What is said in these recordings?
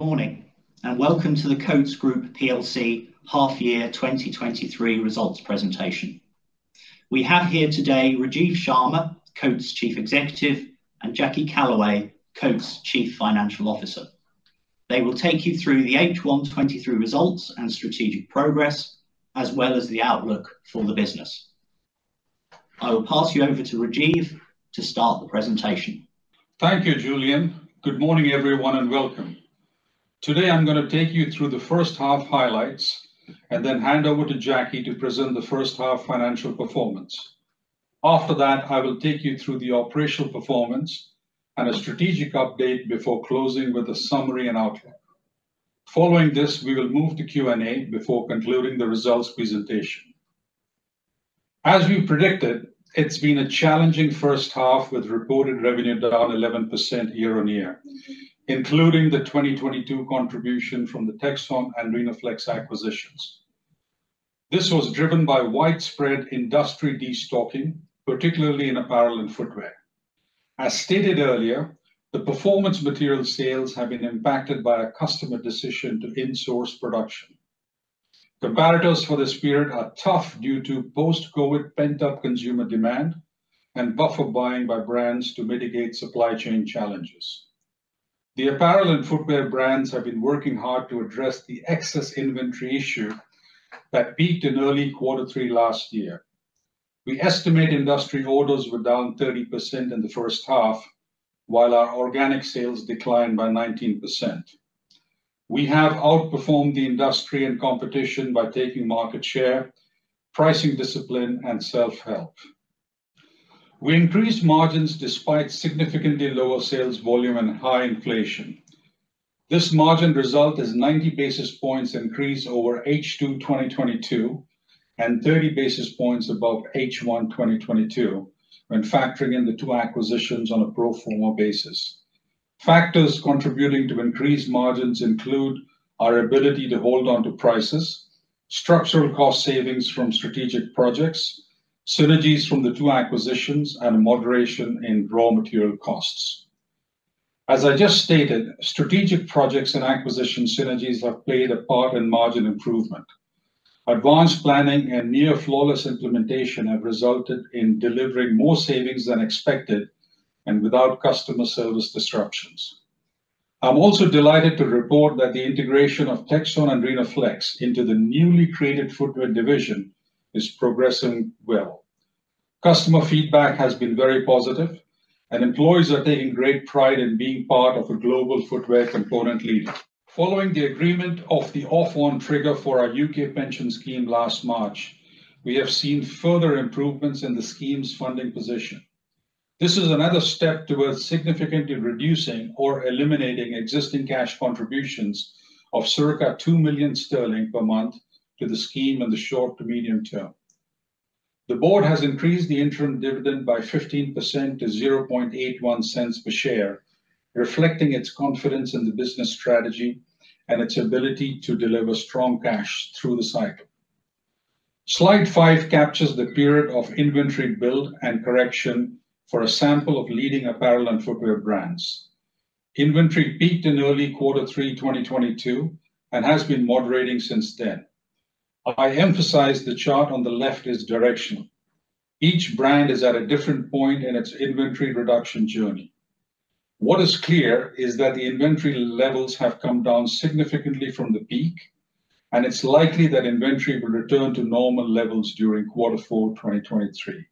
Morning, and welcome to the Coats Group plc half year 2023 results presentation. We have here today Rajiv Sharma, Coats' Chief Executive, and Jackie Callaway, Coats' Chief Financial Officer. They will take you through the H1 2023 results and strategic progress, as well as the outlook for the business. I will pass you over to Rajiv to start the presentation. Thank you, Julian. Good morning, everyone, and welcome. Today, I'm going to take you through the first half highlights and then hand over to Jackie to present the first half financial performance. After that, I will take you through the operational performance and a strategic update before closing with a summary and outlook. Following this, we will move to Q&A before concluding the results presentation. As we predicted, it's been a challenging first half, with reported revenue down 11% year on year, including the 2022 contribution from the Texon and Rhenoflex acquisitions. This was driven by widespread industry destocking, particularly in apparel and footwear. As stated earlier, the performance materials sales have been impacted by a customer decision to insource production. Comparators for this period are tough due to post-COVID pent-up consumer demand and buffer buying by brands to mitigate supply chain challenges. The apparel and footwear brands have been working hard to address the excess inventory issue that peaked in early Q3 2022. We estimate industry orders were down 30% in the first half, while our organic sales declined by 19%. We have outperformed the industry and competition by taking market share, pricing discipline, and self-help. We increased margins despite significantly lower sales volume and high inflation. This margin result is 90 basis points increase over H2 2022, and 30 basis points above H1 2022 when factoring in the two acquisitions on a pro forma basis. Factors contributing to increased margins include our ability to hold on to prices, structural cost savings from strategic projects, synergies from the two acquisitions, and moderation in raw material costs. As I just stated, strategic projects and acquisition synergies have played a part in margin improvement. Advanced planning and near flawless implementation have resulted in delivering more savings than expected and without customer service disruptions. I'm also delighted to report that the integration of Texon and Rhenoflex into the newly created footwear division is progressing well. Customer feedback has been very positive, and employees are taking great pride in being part of a global footwear component leader. Following the agreement of the off-on trigger for our UK pension scheme last March, we have seen further improvements in the scheme's funding position. This is another step towards significantly reducing or eliminating existing cash contributions of circa 2 million sterling per month to the scheme in the short to medium term. The board has increased the interim dividend by 15% to 0.81 cents per share, reflecting its confidence in the business strategy and its ability to deliver strong cash through the cycle. Slide 5 captures the period of inventory build and correction for a sample of leading apparel and footwear brands. Inventory peaked in early Q3 2022 and has been moderating since then. I emphasize the chart on the left is directional. Each brand is at a different point in its inventory reduction journey. What is clear is that the inventory levels have come down significantly from the peak, and it's likely that inventory will return to normal levels during quarter four 2023.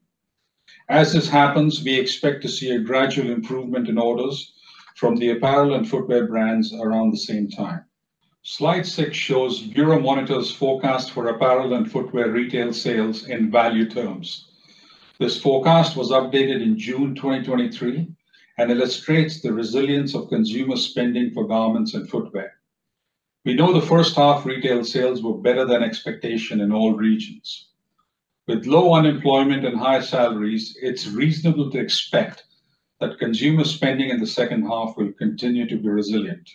As this happens, we expect to see a gradual improvement in orders from the apparel and footwear brands around the same time. Slide 6 shows Euromonitor International's forecast for apparel and footwear retail sales in value terms. This forecast was updated in June 2023 and illustrates the resilience of consumer spending for garments and footwear. We know the first half retail sales were better than expectation in all regions. With low unemployment and high salaries, it's reasonable to expect that consumer spending in the second half will continue to be resilient.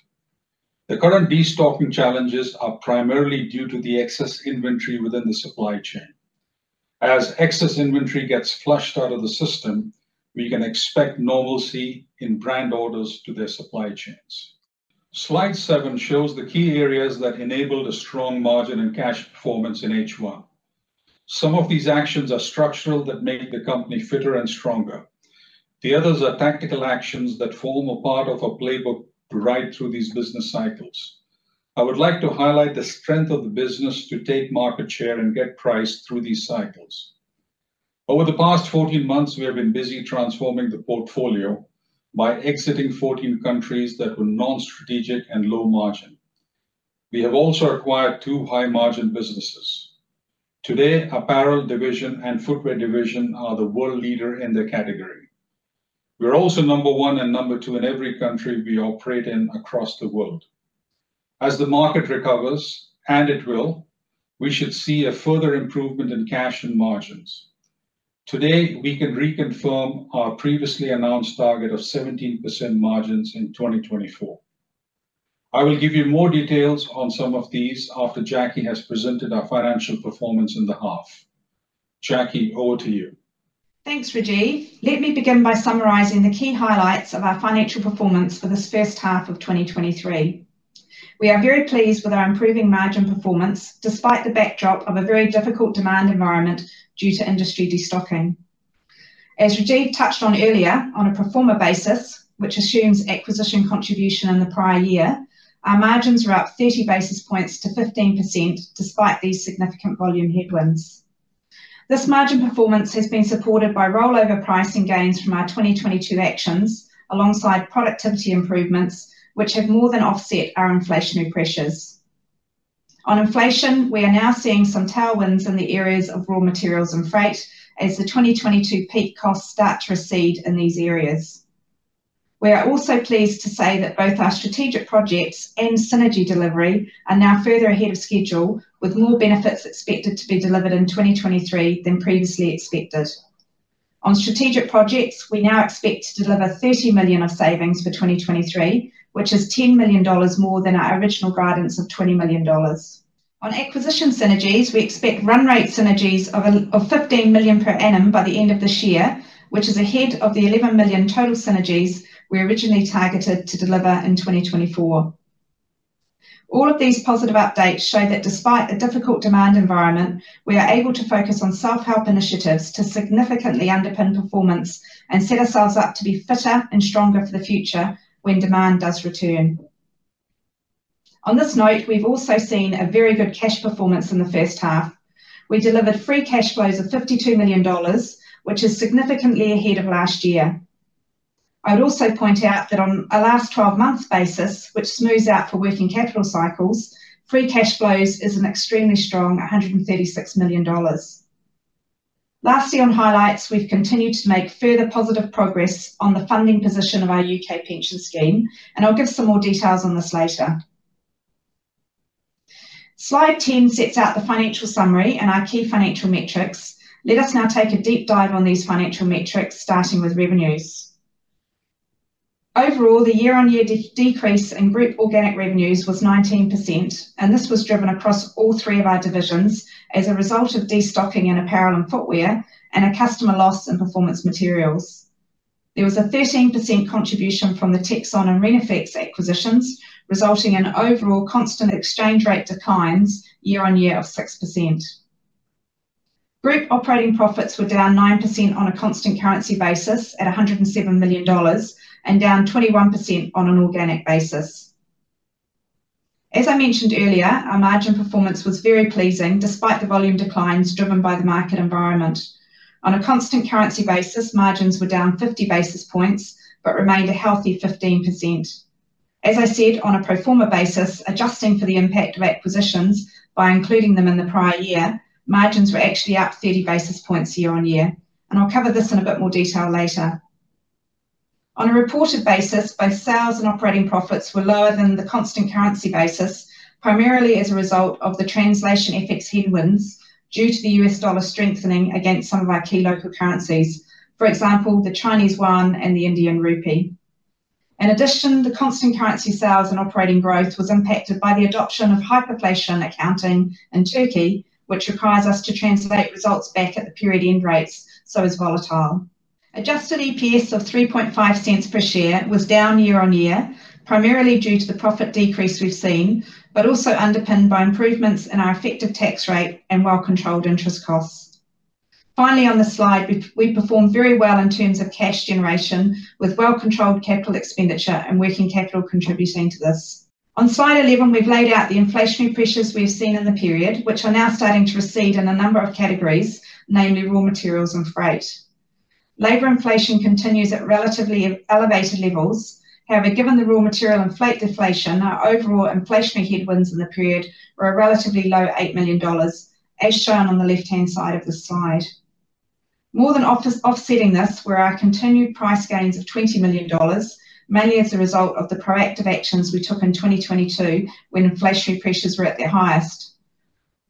The current destocking challenges are primarily due to the excess inventory within the supply chain. As excess inventory gets flushed out of the system, we can expect normalcy in brand orders to their supply chains. Slide 7 shows the key areas that enabled a strong margin and cash performance in H1. Some of these actions are structural that make the company fitter and stronger. The others are tactical actions that form a part of a playbook to ride through these business cycles. I would like to highlight the strength of the business to take market share and get price through these cycles. Over the past 14 months, we have been busy transforming the portfolio by exiting 14 countries that were non-strategic and low margin. We have also acquired two high-margin businesses. Today, apparel division and footwear division are the world leader in their category. We are also number one and number two in every country we operate in across the world. As the market recovers, and it will, we should see a further improvement in cash and margins. Today, we can reconfirm our previously announced target of 17% margins in 2024. I will give you more details on some of these after Jackie has presented our financial performance in the half. Jackie, over to you. Thanks, Rajiv. Let me begin by summarizing the key highlights of our financial performance for this first half of 2023. We are very pleased with our improving margin performance, despite the backdrop of a very difficult demand environment due to industry destocking. As Rajiv touched on earlier, on a pro forma basis, which assumes acquisition contribution in the prior year, our margins are up 30 basis points to 15%, despite these significant volume headwinds. This margin performance has been supported by rollover pricing gains from our 2022 actions, alongside productivity improvements, which have more than offset our inflationary pressures. On inflation, we are now seeing some tailwinds in the areas of raw materials and freight as the 2022 peak costs start to recede in these areas. We are also pleased to say that both our strategic projects and synergy delivery are now further ahead of schedule, with more benefits expected to be delivered in 2023 than previously expected. On strategic projects, we now expect to deliver $30 million of savings for 2023, which is $10 million more than our original guidance of $20 million. On acquisition synergies, we expect run rate synergies of $15 million per annum by the end of this year, which is ahead of the $11 million total synergies we originally targeted to deliver in 2024. All of these positive updates show that despite a difficult demand environment, we are able to focus on self-help initiatives to significantly underpin performance and set ourselves up to be fitter and stronger for the future when demand does return. On this note, we've also seen a very good cash performance in the first half. We delivered free cash flows of $52 million, which is significantly ahead of last year. I'd also point out that on a last-twelve-month basis, which smooths out for working capital cycles, free cash flows is an extremely strong $136 million. Lastly, on highlights, we've continued to make further positive progress on the funding position of our UK pension scheme. I'll give some more details on this later. Slide 10 sets out the financial summary and our key financial metrics. Let us now take a deep dive on these financial metrics, starting with revenues. Overall, the year-on-year decrease in group organic revenues was 19%. This was driven across all three of our divisions as a result of destocking in apparel and footwear and a customer loss in performance materials. There was a 13% contribution from the Texon and Rhenoflex acquisitions, resulting in overall constant exchange rate declines year-on-year of 6%. Group operating profits were down 9% on a constant currency basis at $107 million, and down 21% on an organic basis. As I mentioned earlier, our margin performance was very pleasing despite the volume declines driven by the market environment. On a constant currency basis, margins were down 50 basis points but remained a healthy 15%. As I said, on a pro forma basis, adjusting for the impact of acquisitions by including them in the prior year, margins were actually up 30 basis points year-on-year, and I'll cover this in a bit more detail later. On a reported basis, both sales and operating profits were lower than the constant currency basis, primarily as a result of the translation effects headwinds, due to the US dollar strengthening against some of our key local currencies, for example, the Chinese yuan and the Indian rupee. In addition, the constant currency sales and operating growth was impacted by the adoption of hyperinflation accounting in Turkey, which requires us to translate results back at the period-end rates, so is volatile. Adjusted EPS of $0.035 per share was down year-on-year, primarily due to the profit decrease we've seen, but also underpinned by improvements in our effective tax rate and well-controlled interest costs. Finally, on this slide, we performed very well in terms of cash generation, with well-controlled capital expenditure and working capital contributing to this. On slide 11, we've laid out the inflationary pressures we've seen in the period, which are now starting to recede in a number of categories, namely raw materials and freight. Labor inflation continues at relatively elevated levels. However, given the raw material inflation/deflation, our overall inflationary headwinds in the period were a relatively low $8 million, as shown on the left-hand side of this slide. More than offsetting this were our continued price gains of $20 million, mainly as a result of the proactive actions we took in 2022, when inflationary pressures were at their highest.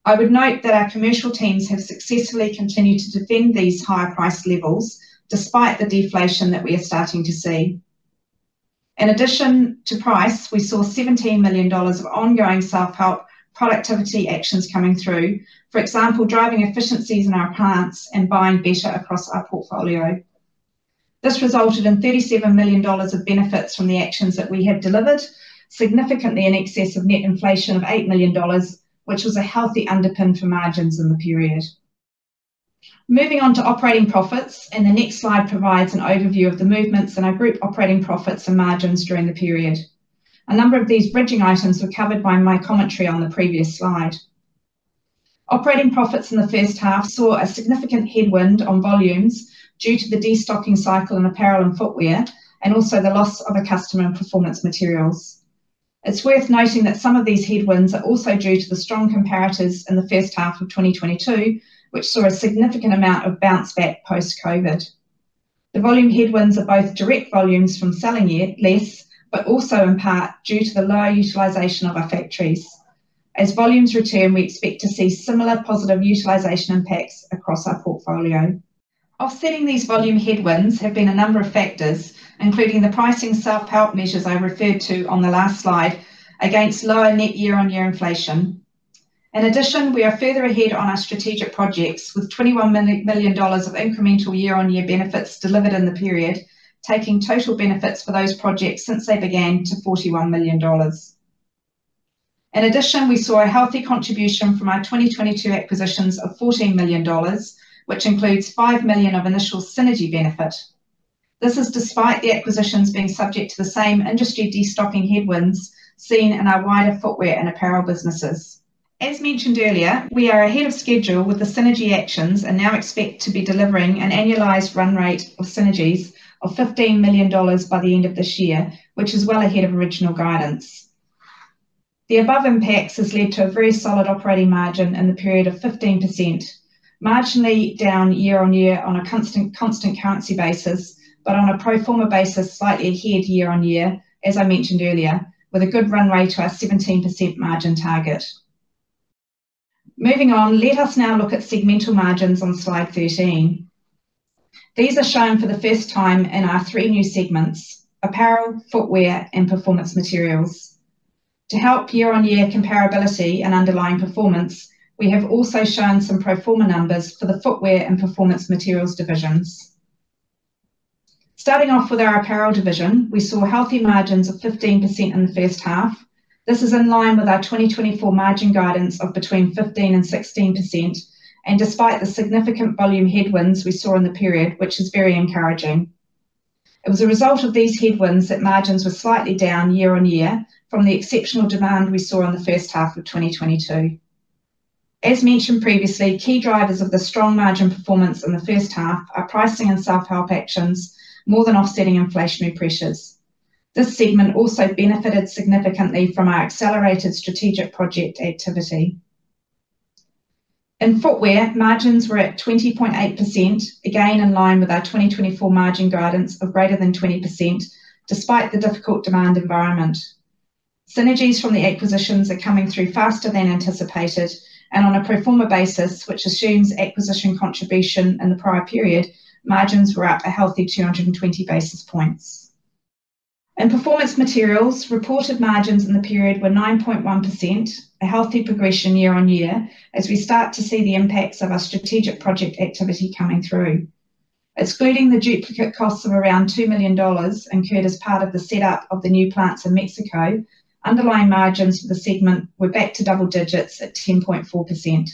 I would note that our commercial teams have successfully continued to defend these higher price levels despite the deflation that we are starting to see. In addition to price, we saw $17 million of ongoing self-help productivity actions coming through, for example, driving efficiencies in our plants and buying better across our portfolio. This resulted in $37 million of benefits from the actions that we have delivered, significantly in excess of net inflation of $8 million, which was a healthy underpin for margins in the period. Moving on to operating profits. The next slide provides an overview of the movements in our group operating profits and margins during the period. A number of these bridging items were covered by my commentary on the previous slide. Operating profits in the first half saw a significant headwind on volumes due to the destocking cycle in apparel and footwear, and also the loss of a customer in performance materials. It's worth noting that some of these headwinds are also due to the strong comparators in the first half of 2022, which saw a significant amount of bounce back post-COVID. The volume headwinds are both direct volumes from selling less year-on-year, but also in part due to the lower utilization of our factories. As volumes return, we expect to see similar positive utilization impacts across our portfolio. Offsetting these volume headwinds have been a number of factors, including the pricing self-help measures I referred to on the last slide, against lower net year-on-year inflation. In addition, we are further ahead on our strategic projects, with $21 million of incremental year-on-year benefits delivered in the period, taking total benefits for those projects since they began to $41 million. In addition, we saw a healthy contribution from our 2022 acquisitions of $14 million, which includes $5 million of initial synergy benefit. This is despite the acquisitions being subject to the same industry destocking headwinds seen in our wider footwear and apparel businesses. As mentioned earlier, we are ahead of schedule with the synergy actions and now expect to be delivering an annualized run rate of synergies of $15 million by the end of this year, which is well ahead of original guidance. The above impacts have led to a very solid operating margin in the period of 15%, marginally down year-on-year on a constant currency basis, but on a pro forma basis, slightly ahead year-on-year, as I mentioned earlier, with a good runway to our 17% margin target. Moving on, let us now look at segmental margins on slide 13. These are shown for the first time in our three new segments: apparel, footwear, and performance materials. To help year-on-year comparability and underlying performance, we have also shown some pro forma numbers for the footwear and performance materials divisions. Starting off with our apparel division, we saw healthy margins of 15% in the first half. This is in line with our 2024 margin guidance of between 15% and 16%, and despite the significant volume headwinds we saw in the period, which is very encouraging. It was a result of these headwinds that margins were slightly down year-on-year from the exceptional demand we saw in the first half of 2022. As mentioned previously, key drivers of the strong margin performance in the first half are pricing and self-help actions, more than offsetting inflationary pressures. This segment also benefited significantly from our accelerated strategic project activity. In footwear, margins were at 20.8%, again, in line with our 2024 margin guidance of greater than 20%, despite the difficult demand environment. Synergies from the acquisitions are coming through faster than anticipated, and on a pro forma basis, which assumes acquisition contribution in the prior period, margins were up a healthy 220 basis points. In performance materials, reported margins in the period were 9.1%, a healthy progression year-on-year, as we start to see the impacts of our strategic project activity coming through. Excluding the duplicate costs of around $2 million incurred as part of the setup of the new plants in Mexico, underlying margins for the segment were back to double digits at 10.4%.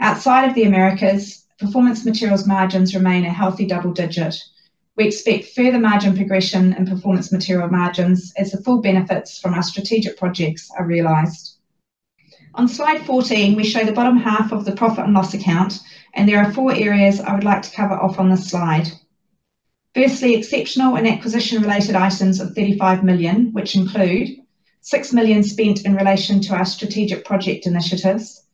Outside of the Americas, performance materials margins remain a healthy double digit. We expect further margin progression and performance materials margins as the full benefits from our strategic projects are realized. On Slide 14, we show the bottom half of the profit and loss account, and there are four areas I would like to cover off on this slide. Firstly, exceptional and acquisition-related items of $35 million, which include $6 million spent in relation to our strategic project initiatives,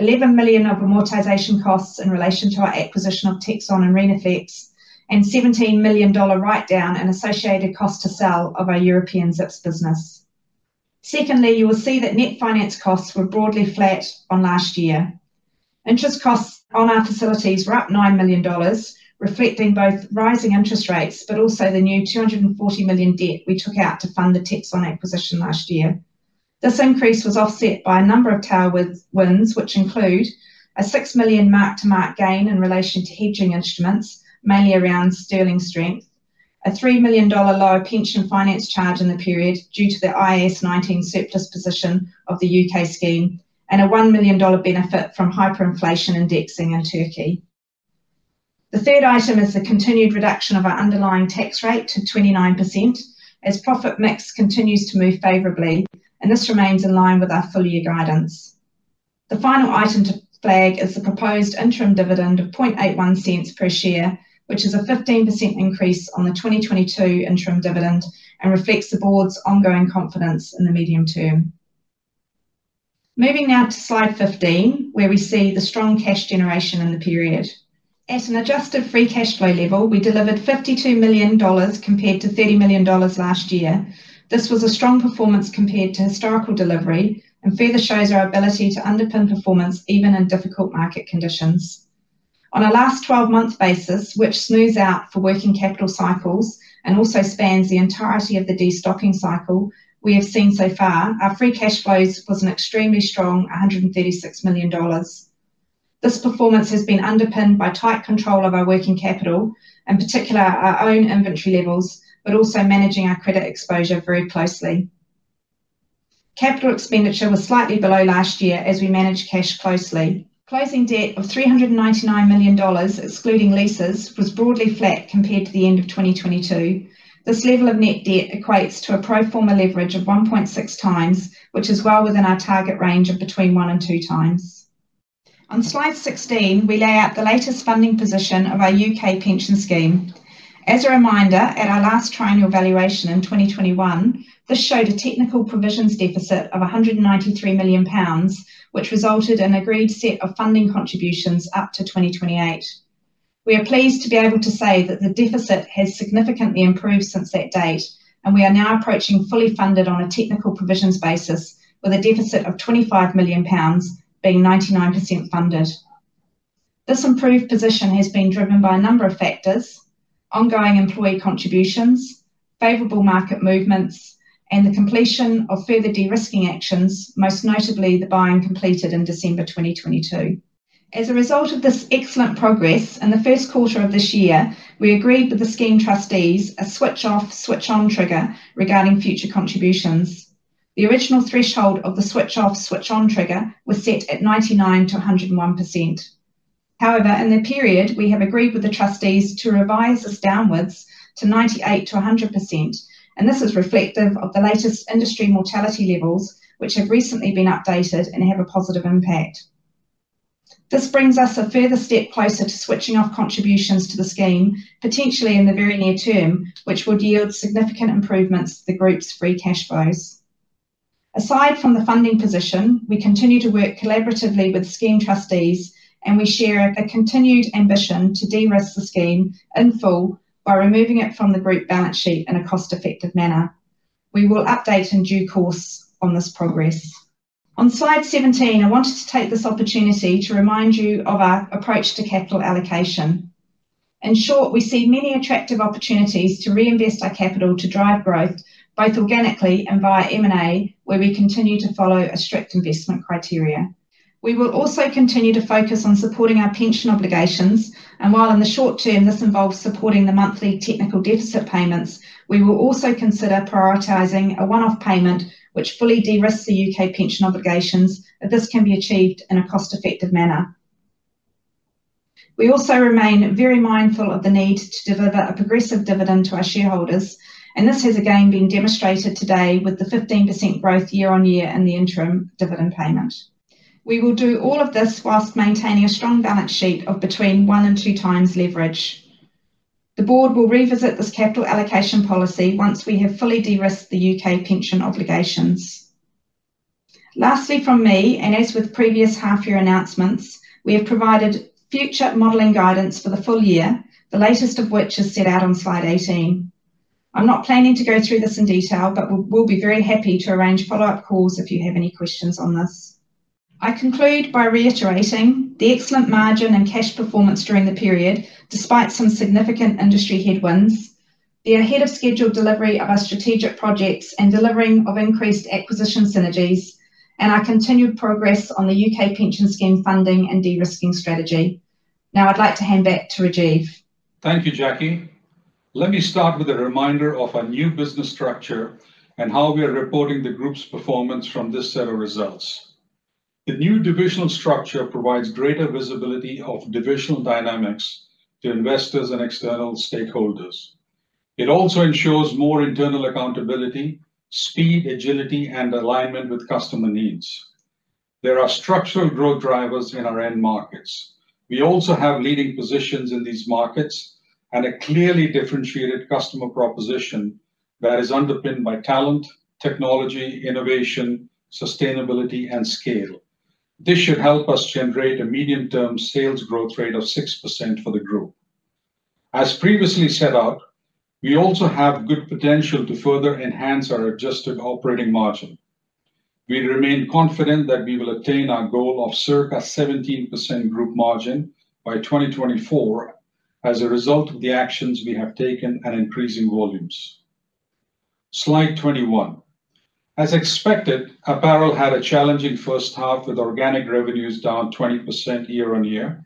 $11 million of amortization costs in relation to our acquisition of Texon and Rhenoflex, and $17 million write-down and associated cost to sell of our European Zips business. Secondly, you will see that net finance costs were broadly flat on last year. Interest costs on our facilities were up $9 million, reflecting both rising interest rates but also the new $240 million debt we took out to fund the Texon acquisition last year. This increase was offset by a number of tailwind- wins, which include: a $6 million mark-to-market gain in relation to hedging instruments, mainly around sterling strength, a $3 million lower pension finance charge in the period due to the IAS 19 surplus position of the UK scheme, and a $1 million benefit from hyperinflation indexing in Turkey. The third item is the continued reduction of our underlying tax rate to 29%, as profit mix continues to move favorably, and this remains in line with our full-year guidance. The final item to flag is the proposed interim dividend of $0.81 per share, which is a 15% increase on the 2022 interim dividend and reflects the board's ongoing confidence in the medium term. Moving now to slide 15, where we see the strong cash generation in the period. At an adjusted free cash flow level, we delivered $52 million, compared to $30 million last year. This was a strong performance compared to historical delivery and further shows our ability to underpin performance even in difficult market conditions. On a last-12 month basis, which smooths out for working capital cycles and also spans the entirety of the destocking cycle, we have seen so far, our free cash flows was an extremely strong $136 million. This performance has been underpinned by tight control of our working capital, in particular our own inventory levels, but also managing our credit exposure very closely. Capital expenditure was slightly below last year as we managed cash closely. Closing debt of $399 million, excluding leases, was broadly flat compared to the end of 2022. This level of net debt equates to a pro forma leverage of 1.6x, which is well within our target range of between 1x and 2x. On slide 16, we lay out the latest funding position of our UK pension scheme. As a reminder, at our last triennial valuation in 2021, this showed a technical provisions deficit of 193 million pounds, which resulted in agreed set of funding contributions up to 2028. We are pleased to be able to say that the deficit has significantly improved since that date, and we are now approaching fully funded on a technical provisions basis, with a deficit of 25 million pounds being 99% funded. This improved position has been driven by a number of factors: ongoing employee contributions, favorable market movements, and the completion of further de-risking actions, most notably the buy-in completed in December 2022. As a result of this excellent progress, in the first quarter of this year, we agreed with the scheme trustees a switch off, switch on trigger regarding future contributions. The original threshold of the switch off, switch on trigger was set at 99%-101%. However, in the period, we have agreed with the trustees to revise this downwards to 98%-100%, and this is reflective of the latest industry mortality levels, which have recently been updated and have a positive impact. This brings us a further step closer to switching off contributions to the scheme, potentially in the very near term, which would yield significant improvements to the group's free cash flows. Aside from the funding position, we continue to work collaboratively with scheme trustees. We share a continued ambition to de-risk the scheme in full by removing it from the group balance sheet in a cost-effective manner. We will update in due course on this progress. On Slide 17, I wanted to take this opportunity to remind you of our approach to capital allocation. In short, we see many attractive opportunities to reinvest our capital to drive growth, both organically and via M&A, where we continue to follow a strict investment criteria. We will also continue to focus on supporting our pension obligations. While in the short term this involves supporting the monthly technical deficit payments, we will also consider prioritizing a one-off payment, which fully de-risks the UK pension obligations, if this can be achieved in a cost-effective manner. We also remain very mindful of the need to deliver a progressive dividend to our shareholders. This has again been demonstrated today with the 15% growth year-on-year in the interim dividend payment. We will do all of this while maintaining a strong balance sheet of between one and two times leverage. The board will revisit this capital allocation policy once we have fully de-risked the UK pension obligations. Lastly, from me, as with previous half-year announcements, we have provided future modeling guidance for the full year, the latest of which is set out on slide 18. I'm not planning to go through this in detail, but we'll, we'll be very happy to arrange follow-up calls if you have any questions on this. I conclude by reiterating the excellent margin and cash performance during the period, despite some significant industry headwinds, the ahead of schedule delivery of our strategic projects and delivering of increased acquisition synergies, and our continued progress on the UK pension scheme funding and de-risking strategy. I'd like to hand back to Rajiv. Thank you, Jackie. Let me start with a reminder of our new business structure and how we are reporting the group's performance from this set of results. The new divisional structure provides greater visibility of divisional dynamics to investors and external stakeholders. It also ensures more internal accountability, speed, agility, and alignment with customer needs. There are structural growth drivers in our end markets. We also have leading positions in these markets and a clearly differentiated customer proposition that is underpinned by talent, technology, innovation, sustainability, and scale. This should help us generate a medium-term sales growth rate of 6% for the group. As previously set out, we also have good potential to further enhance our adjusted operating margin. We remain confident that we will attain our goal of circa 17% group margin by 2024 as a result of the actions we have taken and increasing volumes. Slide 21. As expected, apparel had a challenging first half, with organic revenues down 20% year-over-year,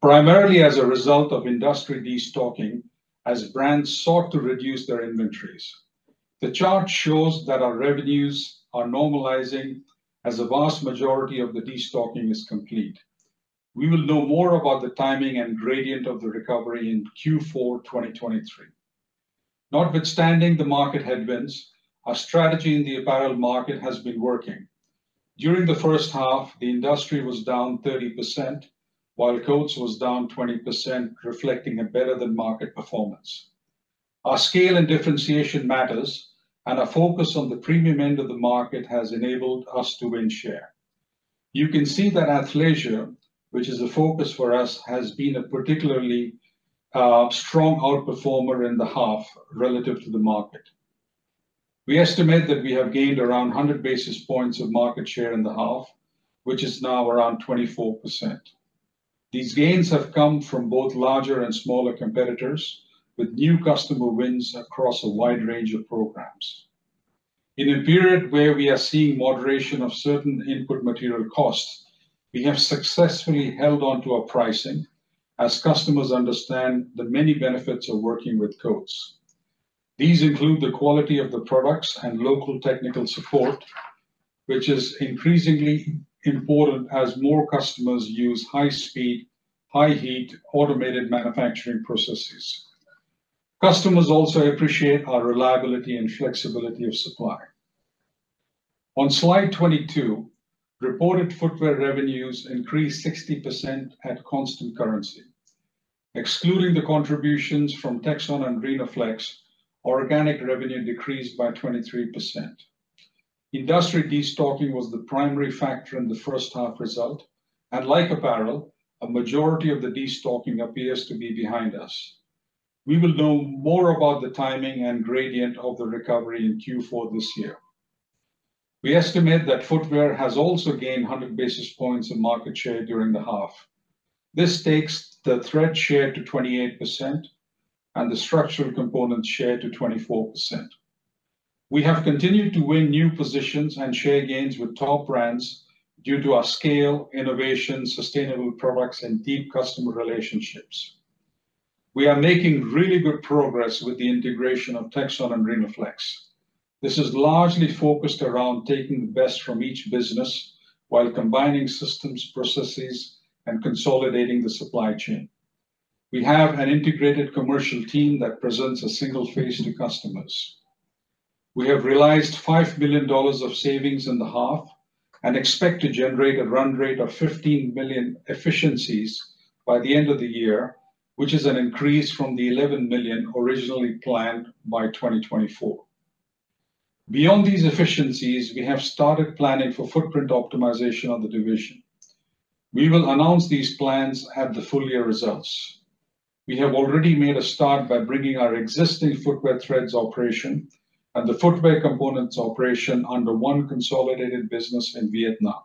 primarily as a result of industry destocking as brands sought to reduce their inventories. The chart shows that our revenues are normalizing as the vast majority of the destocking is complete. We will know more about the timing and gradient of the recovery in Q4 2023. Notwithstanding the market headwinds, our strategy in the apparel market has been working. During the first half, the industry was down 30%, while Coats was down 20%, reflecting a better-than-market performance. Our scale and differentiation matters, and our focus on the premium end of the market has enabled us to win share. You can see that athleisure, which is a focus for us, has been a particularly strong outperformer in the half relative to the market. We estimate that we have gained around 100 basis points of market share in the half, which is now around 24%. These gains have come from both larger and smaller competitors, with new customer wins across a wide range of programs. In a period where we are seeing moderation of certain input material costs, we have successfully held on to our pricing as customers understand the many benefits of working with Coats. These include the quality of the products and local technical support, which is increasingly important as more customers use high speed, high heat, automated manufacturing processes. Customers also appreciate our reliability and flexibility of supply. On Slide 22, reported footwear revenues increased 60% at constant currency. Excluding the contributions from Texon and Rhenoflex, organic revenue decreased by 23%. Industry destocking was the primary factor in the first half result, and like apparel, a majority of the destocking appears to be behind us. We will know more about the timing and gradient of the recovery in Q4 this year. We estimate that footwear has also gained 100 basis points in market share during the half. This takes the thread share to 28% and the structural component share to 24%. We have continued to win new positions and share gains with top brands due to our scale, innovation, sustainable products, and deep customer relationships. We are making really good progress with the integration of Texon and Rhenoflex. This is largely focused around taking the best from each business while combining systems, processes, and consolidating the supply chain. We have an integrated commercial team that presents a single face to customers. We have realized $5 million of savings in the half and expect to generate a run rate of $15 million efficiencies by the end of the year, which is an increase from the $11 million originally planned by 2024. Beyond these efficiencies, we have started planning for footprint optimization of the division. We will announce these plans at the full year results. We have already made a start by bringing our existing footwear threads operation and the footwear components operation under one consolidated business in Vietnam.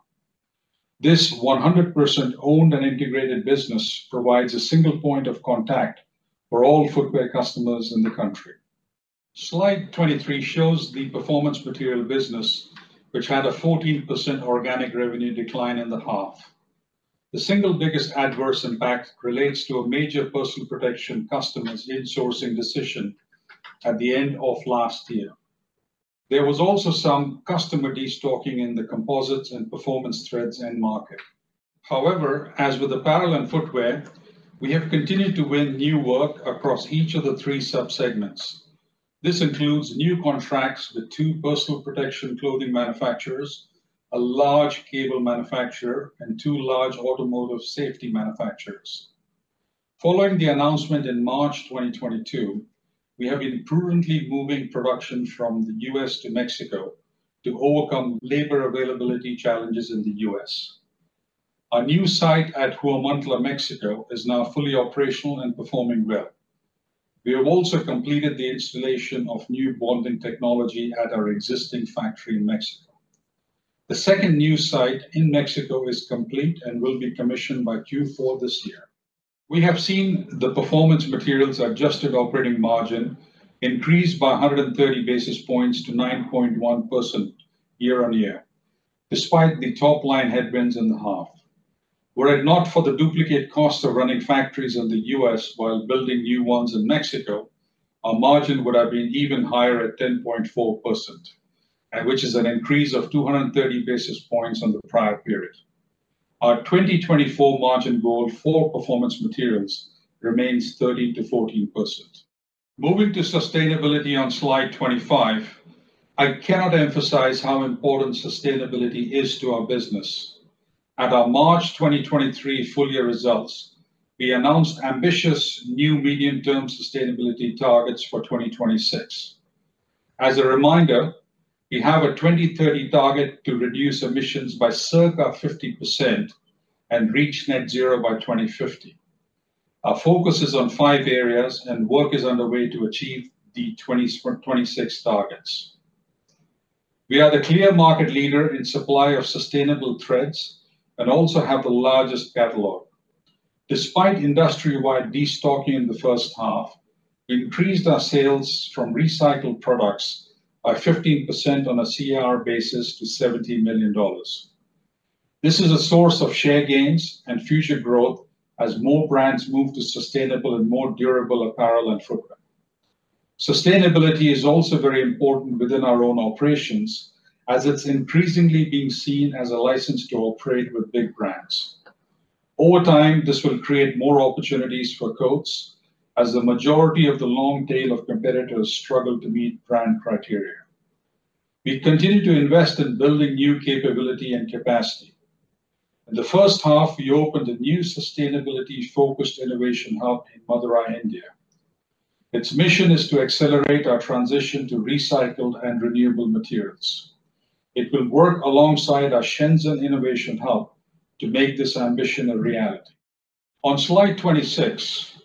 This 100% owned and integrated business provides a single point of contact for all footwear customers in the country. Slide 23 shows the performance materials business, which had a 14% organic revenue decline in the half. The single biggest adverse impact relates to a major personal protection customer's insourcing decision at the end of last year. There was also some customer destocking in the composites and performance threads end market. However, as with apparel and footwear, we have continued to win new work across each of the three subsegments. This includes new contracts with two personal protection clothing manufacturers, a large cable manufacturer, and two large automotive safety manufacturers. Following the announcement in March 2022, we have been prudently moving production from the US to Mexico to overcome labor availability challenges in the US. Our new site at Huamantla, Mexico, is now fully operational and performing well. We have also completed the installation of new bonding technology at our existing factory in Mexico. The second new site in Mexico is complete and will be commissioned by Q4 this year. We have seen the performance materials adjusted operating margin increase by 130 basis points to 9.1% year-on-year, despite the top-line headwinds in the half. Were it not for the duplicate costs of running factories in the US while building new ones in Mexico, our margin would have been even higher at 10.4%, and which is an increase of 230 basis points on the prior period. Our 2024 margin goal for performance materials remains 13%-14%. Moving to sustainability on slide 25, I cannot emphasize how important sustainability is to our business. At our March 2023 full year results, we announced ambitious new medium-term sustainability targets for 2026. As a reminder, we have a 2030 target to reduce emissions by circa 50% and reach net zero by 2050. Our focus is on five areas, and work is underway to achieve the 2026 targets. We are the clear market leader in supply of sustainable threads and also have the largest catalog. Despite industry-wide destocking in the first half, we increased our sales from recycled products by 15% on a CR basis to $70 million. This is a source of share gains and future growth as more brands move to sustainable and more durable apparel and footwear. Sustainability is also very important within our own operations, as it's increasingly being seen as a license to operate with big brands. Over time, this will create more opportunities for Coats as the majority of the long tail of competitors struggle to meet brand criteria. We continue to invest in building new capability and capacity. In the first half, we opened a new sustainability-focused innovation hub in Madurai, India. Its mission is to accelerate our transition to recycled and renewable materials. It will work alongside our Shenzhen innovation hub to make this ambition a reality. On slide 26,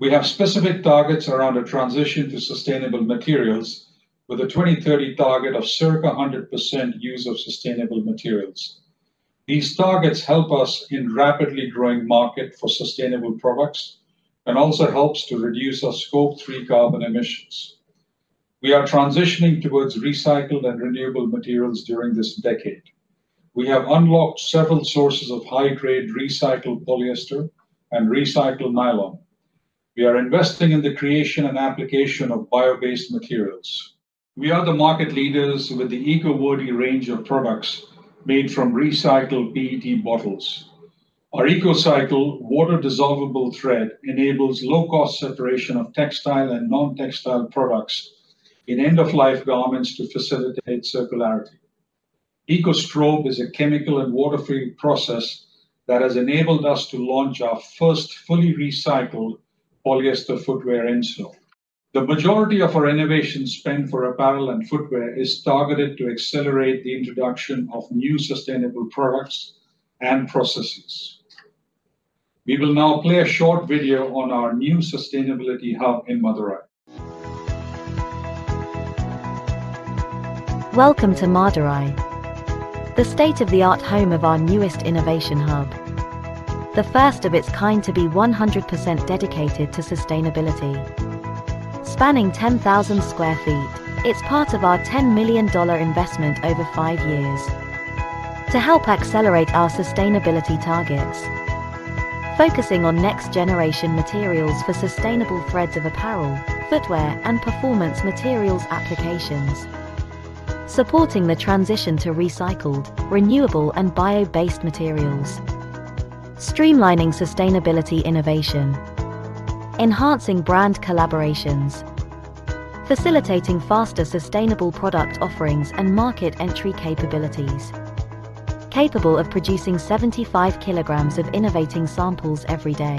we have specific targets around a transition to sustainable materials with a 2030 target of circa 100% use of sustainable materials. These targets help us in rapidly growing market for sustainable products and also helps to reduce our Scope 3 carbon emissions. We are transitioning towards recycled and renewable materials during this decade. We have unlocked several sources of high-grade recycled polyester and recycled nylon. We are investing in the creation and application of bio-based materials. We are the market leaders with the EcoVerde range of products made from recycled PET bottles. Our EcoCycle water-dissolvable thread enables low-cost separation of textile and non-textile products in end-of-life garments to facilitate circularity. EcoStrobe is a chemical and water-free process that has enabled us to launch our first fully recycled polyester footwear insole. The majority of our innovation spend for apparel and footwear is targeted to accelerate the introduction of new sustainable products and processes. We will now play a short video on our new sustainability hub in Madurai. Welcome to Madurai, the state-of-the-art home of our newest innovation hub. The first of its kind to be 100% dedicated to sustainability. Spanning 10,000 sq ft, it's part of our $10 million investment over five years to help accelerate our sustainability targets. Focusing on next-generation materials for sustainable threads of apparel, footwear, and performance materials applications. Supporting the transition to recycled, renewable, and bio-based materials. Streamlining sustainability innovation. Enhancing brand collaborations. Facilitating faster sustainable product offerings and market entry capabilities. Capable of producing 75 kg of innovating samples every day.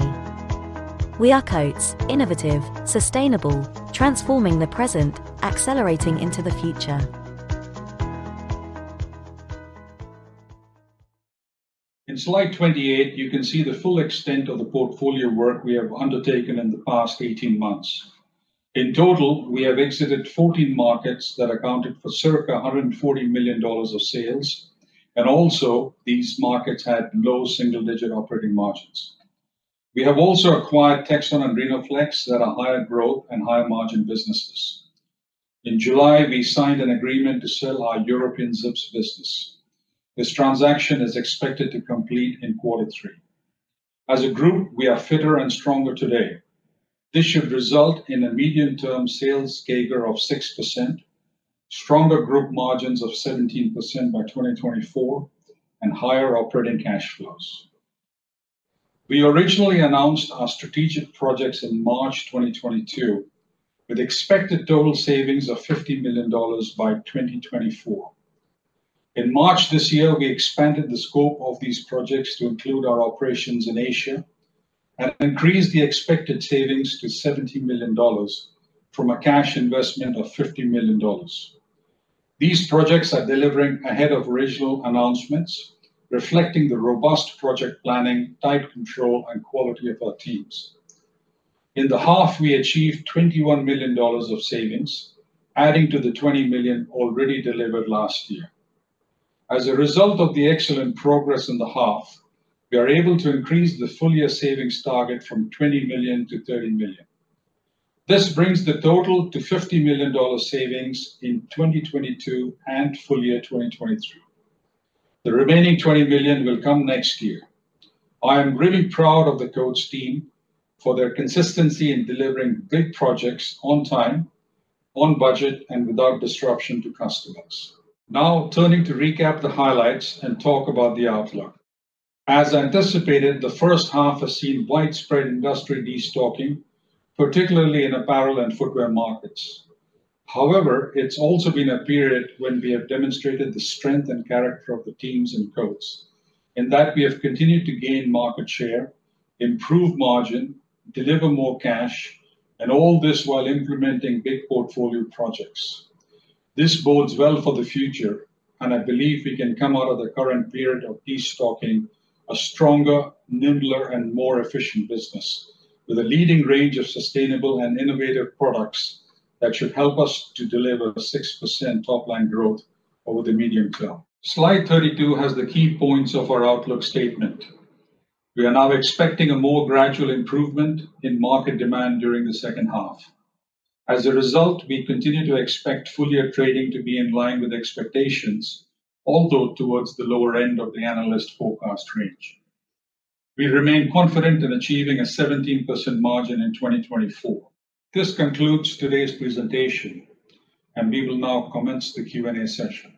We are Coats: innovative, sustainable, transforming the present, accelerating into the future. In slide 28, you can see the full extent of the portfolio work we have undertaken in the past 18 months. In total, we have exited 14 markets that accounted for circa $140 million of sales. These markets had low single-digit operating margins. We have also acquired Texon and Rhenoflex that are higher growth and higher margin businesses. In July, we signed an agreement to sell our European Zips business. This transaction is expected to complete in Q3. As a group, we are fitter and stronger today. This should result in a medium-term sales CAGR of 6%, stronger group margins of 17% by 2024, and higher operating cash flows. We originally announced our strategic projects in March 2022, with expected total savings of $50 million by 2024. In March this year, we expanded the scope of these projects to include our operations in Asia and increased the expected savings to $70 million from a cash investment of $50 million. These projects are delivering ahead of original announcements, reflecting the robust project planning, tight control, and quality of our teams. In the half, we achieved $21 million of savings, adding to the $20 million already delivered last year. As a result of the excellent progress in the half, we are able to increase the full-year savings target from $20 million to $30 million. This brings the total to $50 million savings in 2022 and full year 2023. The remaining $20 million will come next year. I am really proud of the Coats team for their consistency in delivering big projects on time, on budget, and without disruption to customers. Now, turning to recap the highlights and talk about the outlook. As anticipated, the first half has seen widespread industrial destocking, particularly in apparel and footwear markets. However, it's also been a period when we have demonstrated the strength and character of the teams in Coats, in that we have continued to gain market share, improve margin, deliver more cash, and all this while implementing big portfolio projects. This bodes well for the future, and I believe we can come out of the current period of destocking a stronger, nimbler, and more efficient business with a leading range of sustainable and innovative products that should help us to deliver a 6% top-line growth over the medium term. Slide 32 has the key points of our outlook statement. We are now expecting a more gradual improvement in market demand during the second half. As a result, we continue to expect full-year trading to be in line with expectations, although towards the lower end of the analyst forecast range. We remain confident in achieving a 17% margin in 2024. This concludes today's presentation. We will now commence the Q&A session.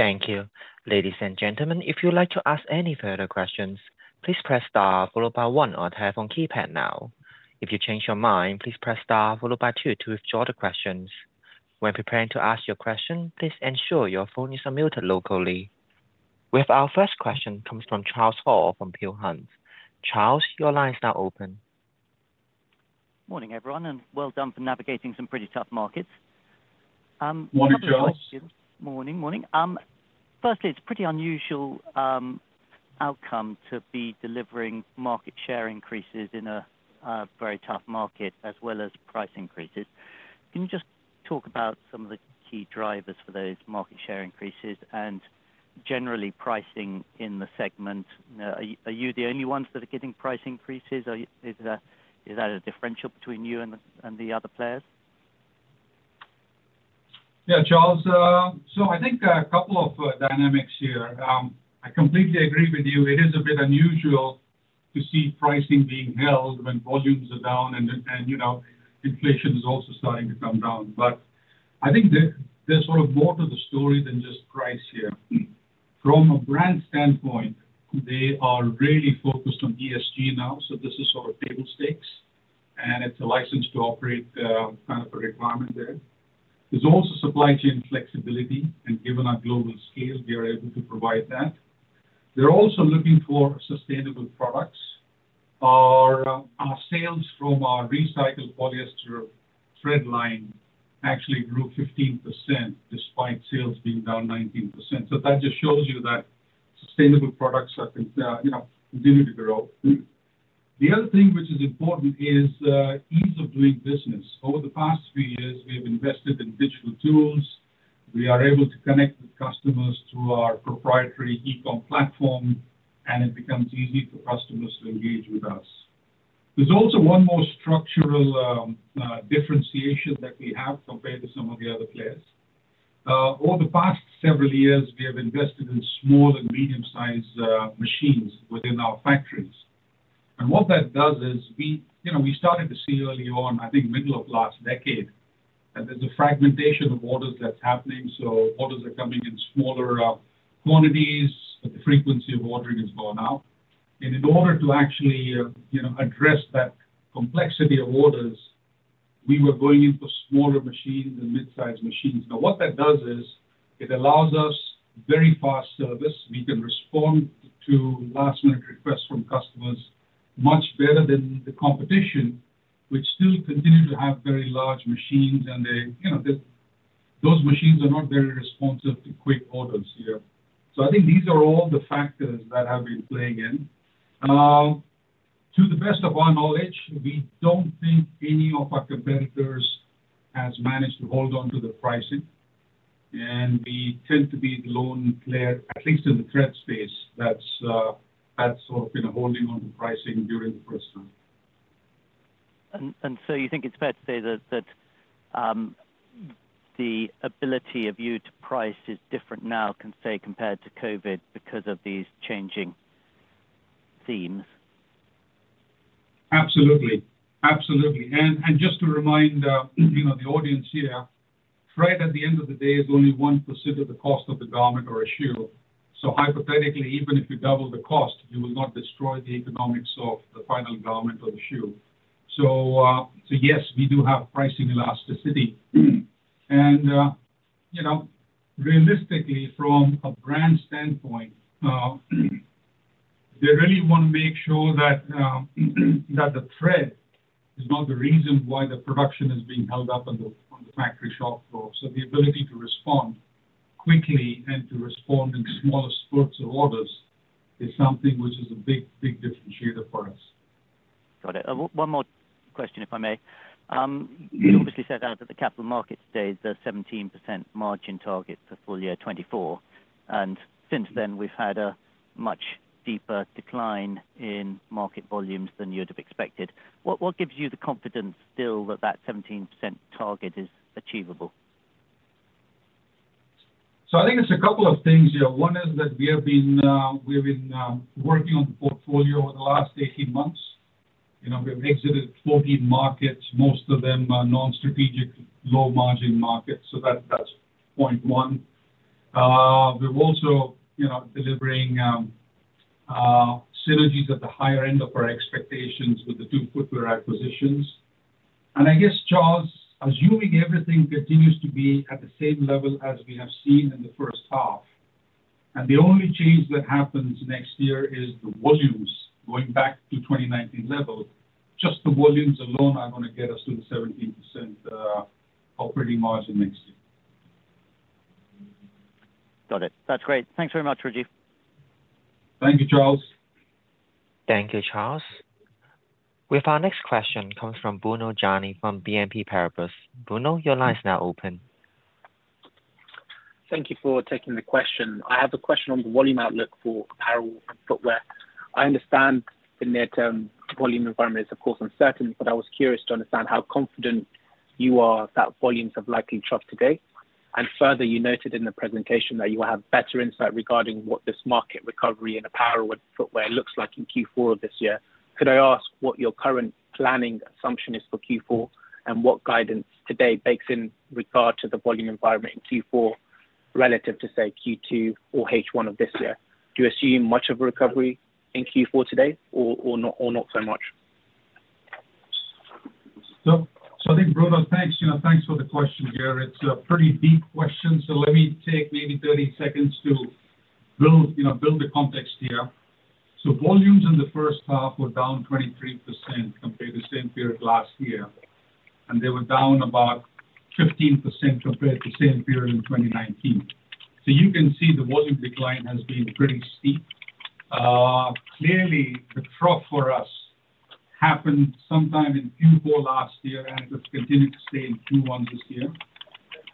Thank you. Ladies and gentlemen, if you'd like to ask any further questions, please press Star followed by one on your telephone keypad now. If you change your mind, please press Star followed by two to withdraw the questions. When preparing to ask your question, please ensure your phones are muted locally. We have our first question coming from Charles Hall from Peel Hunt. Charles, your line is now open. Morning, everyone, and well done for navigating some pretty tough markets. Morning, Charles. Couple of questions. Morning, morning. Firstly, it's pretty unusual outcome to be delivering market share increases in a, a very tough market as well as price increases. Can you just talk about some of the key drivers for those market share increases and generally pricing in the segment? Are, are you the only ones that are getting price increases? Is that, is that a differential between you and the, and the other players? Yeah, Charles. So I think a couple of dynamics here. I completely agree with you. It is a bit unusual to see pricing being held when volumes are down and, and, you know, inflation is also starting to come down. I think there, there's sort of more to the story than just price here. From a brand standpoint, they are really focused on ESG now, so this is sort of table stakes, and it's a license to operate, kind of a requirement there. There's also supply chain flexibility, and given our global scale, we are able to provide that. They're also looking for sustainable products. Our, our sales from our recycled polyester thread line actually grew 15%, despite sales being down 19%. That just shows you that sustainable products continue to grow. The other thing which is important is ease of doing business. Over the past three years, we have invested in digital tools. We are able to connect with customers through our proprietary e-com platform, and it becomes easy for customers to engage with us. There's also one more structural differentiation that we have compared to some of the other players. Over the past several years, we have invested in small and medium-sized machines within our factories. What that does is, you know, we started to see early on, I think, middle of last decade, that there's a fragmentation of orders that's happening, so orders are coming in smaller quantities. The frequency of ordering is going up. In order to actually, you know, address that complexity of orders, we were going in for smaller machines and mid-size machines. What that does is it allows us very fast service. We can respond to last-minute requests from customers much better than the competition, which still continue to have very large machines, and they, you know, those machines are not very responsive to quick orders here. I think these are all the factors that have been playing in. To the best of our knowledge, we don't think any of our competitors has managed to hold on to the pricing, and we tend to be the lone player, at least in the thread space, that's, that's sort of been holding on to pricing during the first time. You think it's fair to say that, that, the ability of you to price is different now, compared to COVID because of these changing themes? Absolutely. Absolutely. Just to remind, you know, the audience here, thread at the end of the day is only 1% of the cost of the garment or a shoe. Hypothetically, even if you double the cost, you will not destroy the economics of the final garment or the shoe. Yes, we do have pricing elasticity. You know, realistically from a brand standpoint, they really want to make sure that the thread is not the reason why the production is being held up on the factory shop floor. The ability to respond quickly and to respond in smaller spurts of orders is something which is a big, big differentiator for us. Got it. One more question, if I may. You obviously set out at the capital market today, the 17% margin target for full year 2024. Since then, we've had a much deeper decline in market volumes than you'd have expected. What gives you the confidence still that, that 17% target is achievable? I think it's a couple of things here. One is that we have been, we've been working on the portfolio over the last 18 months. You know, we've exited 14 markets, most of them are non-strategic, low-margin markets, so that, that's point 1. We're also, you know, delivering synergies at the higher end of our expectations with the 2 footwear acquisitions. I guess, Charles, assuming everything continues to be at the same level as we have seen in the first half, and the only change that happens next year is the volumes going back to 2019 levels, just the volumes alone are gonna get us to the 17% operating margin next year. Got it. That's great. Thanks very much, Rajiv. Thank you, Charles. Thank you, Charles. We have our next question comes from Bruno Gjani from BNP Paribas. Bruno, your line is now open. Thank you for taking the question. I have a question on the volume outlook for apparel and footwear. I understand the near-term volume environment is, of course, uncertain, but I was curious to understand how confident you are that volumes have likely troughed today. Further, you noted in the presentation that you will have better insight regarding what this market recovery in apparel and footwear looks like in Q4 of this year. Could I ask what your current planning assumption is for Q4, and what guidance today bakes in regard to the volume environment in Q4 relative to, say, Q2 or H1 of this year? Do you assume much of a recovery in Q4 today or not so much? So I think, Bruno, thanks, you know, thanks for the question here. It's a pretty deep question, so let me take maybe 30 seconds to build, you know, build the context here. Volumes in the first half were down 23% compared to the same period last year, and they were down about 15% compared to the same period in 2019. Clearly, the trough for us happened sometime in Q4 last year, and it has continued to stay in Q1 this year.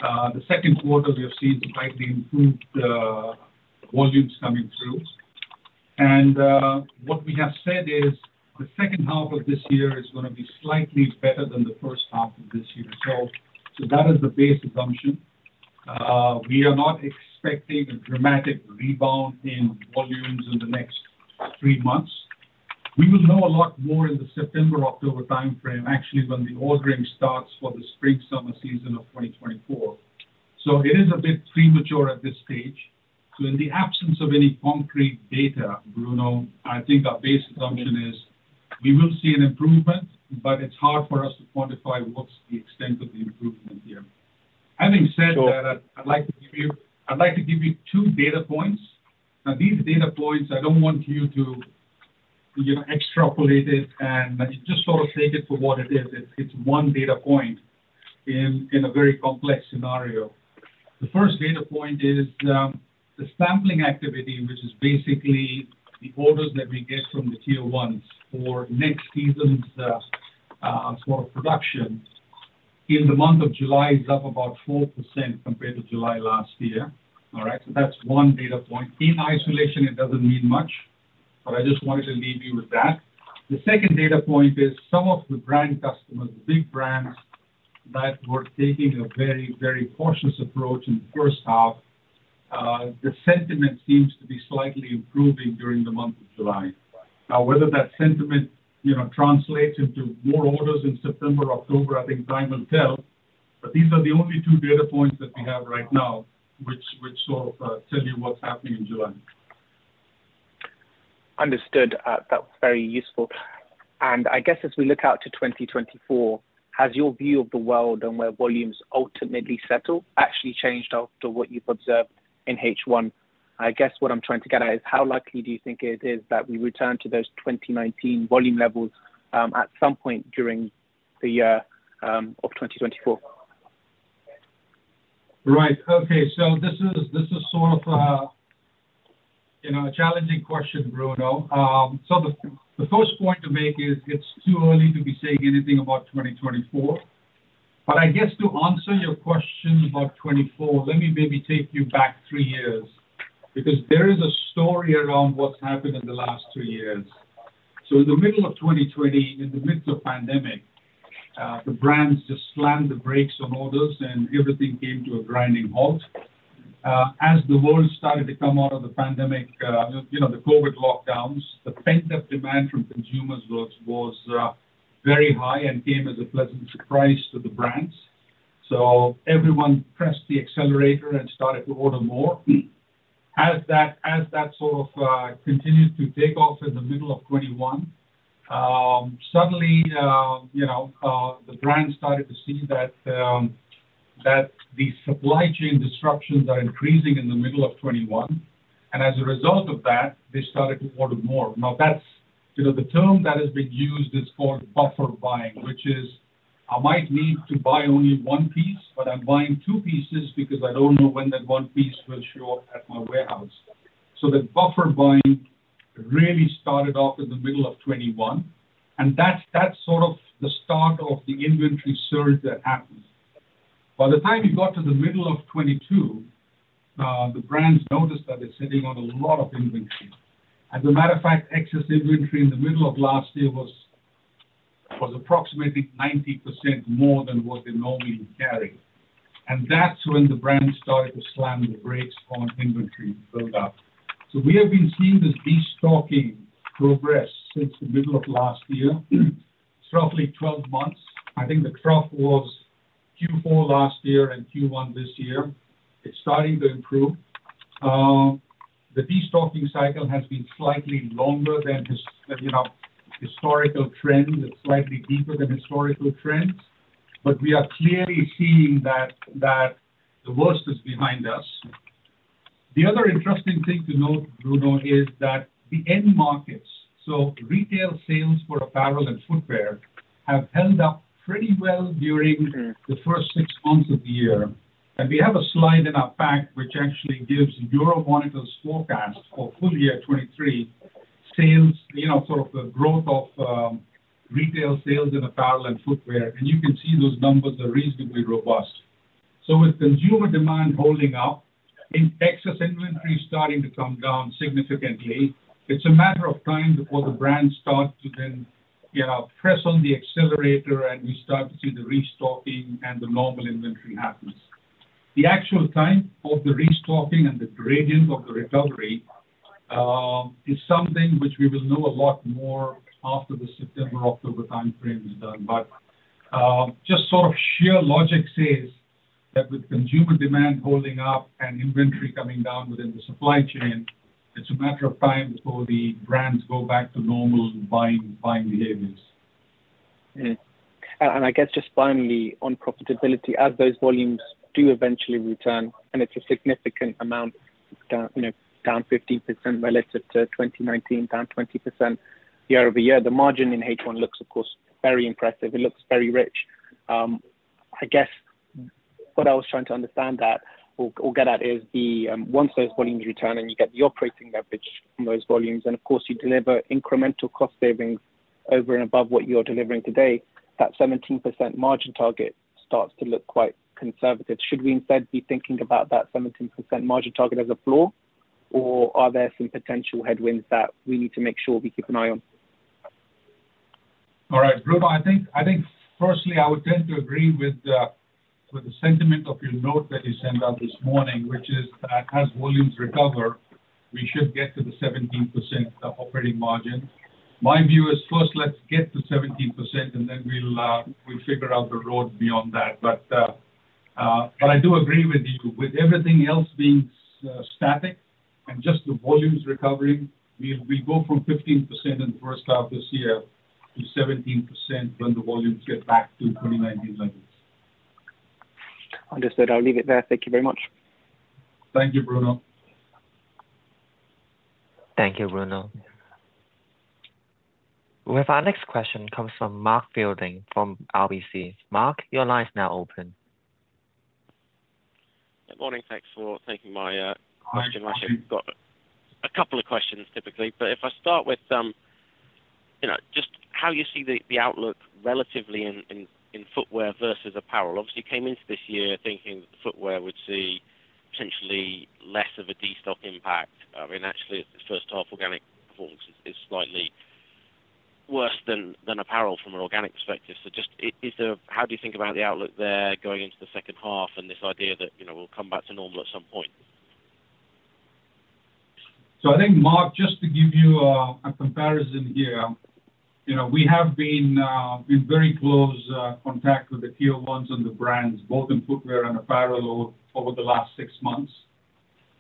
The second quarter, we have seen slightly improved volumes coming through. What we have said is, the second half of this year is gonna be slightly better than the first half of this year. So that is the base assumption. We are not expecting a dramatic rebound in volumes in the next 3 months. We will know a lot more in the September, October timeframe, actually, when the ordering starts for the spring, summer season of 2024. It is a bit premature at this stage. In the absence of any concrete data, Bruno, I think our base assumption is we will see an improvement, but it's hard for us to quantify what's the extent of the improvement here. Having said that, I'd like to give you 2 data points. These data points, I don't want you to, you know, extrapolate it and just sort of take it for what it is. It's, it's 1 data point in, in a very complex scenario. The first data point is the sampling activity, which is basically the orders that we get from the tier ones for next season's sort of production. In the month of July is up about 4% compared to July last year. That's one data point. In isolation, it doesn't mean much, but I just wanted to leave you with that. The second data point is some of the brand customers, the big brands that were taking a very, very cautious approach in the first half, the sentiment seems to be slightly improving during the month of July. Whether that sentiment, you know, translates into more orders in September or October, I think time will tell, but these are the only two data points that we have right now, which, which sort of tell you what's happening in July. Understood. That was very useful. I guess as we look out to 2024, has your view of the world and where volumes ultimately settle, actually changed after what you've observed in H1? I guess what I'm trying to get at is, how likely do you think it is that we return to those 2019 volume levels, at some point during the year, of 2024? Right. Okay. This is, this is sort of, you know, a challenging question, Bruno. The, the first point to make is it's too early to be saying anything about 2024, but I guess to answer your question about 2024, let me maybe take you back three years because there is a story around what's happened in the last two years. In the middle of 2020, in the midst of pandemic, the brands just slammed the brakes on orders, and everything came to a grinding halt. As the world started to come out of the pandemic, you know, the COVID lockdowns, the pent-up demand from consumers was, was very high and came as a pleasant surprise to the brands. Everyone pressed the accelerator and started to order more. As that, as that sort of, continued to take off in the middle of 2021, suddenly, you know, the brands started to see that the supply chain disruptions are increasing in the middle of 2021. As a result of that, they started to order more. That's, you know, the term that has been used is called buffer stock, which is, I might need to buy only one piece, but I'm buying two pieces because I don't know when that one piece will show up at my warehouse. The buffer stock really started off in the middle of 2021, and that's, that's sort of the start of the inventory surge that happens. By the time you got to the middle of 2022, the brands noticed that they're sitting on a lot of inventory. As a matter of fact, excess inventory in the middle of last year was approximately 90% more than what they normally would carry. That's when the brands started to slam the brakes on inventory build-up. We have been seeing this destocking progress since the middle of last year. It's roughly 12 months. I think the trough was Q4 last year and Q1 this year. It's starting to improve. The destocking cycle has been slightly longer than his, you know, historical trends. It's slightly deeper than historical trends, but we are clearly seeing that the worst is behind us. The other interesting thing to note, Bruno, is that the end markets, so retail sales for apparel and footwear, have held up pretty well during the first six months of the year. We have a slide in our pack, which actually gives Euromonitor forecast for full year 2023 sales. You know, sort of the growth of retail sales in apparel and footwear, you can see those numbers are reasonably robust. With consumer demand holding up and excess inventory starting to come down significantly, it's a matter of time before the brands start to then, you know, press on the accelerator and we start to see the restocking and the normal inventory happens. The actual time of the restocking and the gradient of the recovery is something which we will know a lot more after the September-October timeframe is done just sort of sheer logic says that with consumer demand holding up and inventory coming down within the supply chain, it's a matter of time before the brands go back to normal buying, buying behaviors. And I guess just finally, on profitability, as those volumes do eventually return, and it's a significant amount down, you know, down 15% relative to 2019, down 20% year-over-year. The margin in H1 looks, of course, very impressive. It looks very rich. I guess what I was trying to understand that or, or get at is the, once those volumes return and you get the operating leverage from those volumes, and of course, you deliver incremental cost savings over and above what you're delivering today, that 17% margin target starts to look quite conservative. Should we instead be thinking about that 17% margin target as a floor, or are there some potential headwinds that we need to make sure we keep an eye on? All right, Bruno, I think, I think firstly, I would tend to agree with the sentiment of your note that you sent out this morning, which is that as volumes recover, we should get to the 17% operating margin. My view is first let's get to 17%, and then we'll figure out the road beyond that. I do agree with you. With everything else being static and just the volumes recovering, we go from 15% in the first half this year to 17% when the volumes get back to 2019 levels. Understood. I'll leave it there. Thank you very much. Thank you, Bruno. Thank you, Bruno. We have our next question comes from Mark Fielding from RBC. Mark, your line is now open. Good morning. Thanks for taking my question. Hi, Mark. I've got a couple of questions, typically. If I start with, you know, just how you see the outlook relatively in footwear versus apparel. Obviously, you came into this year thinking that the footwear would see potentially less of a destock impact. I mean, actually, the first half organic performance is slightly worse than apparel from an organic perspective. Just, how do you think about the outlook there going into the second half and this idea that, you know, we'll come back to normal at some point? I think, Mark, just to give you, a comparison here, you know, we have been in very close contact with the tier ones and the brands, both in footwear and apparel over the last 6 months.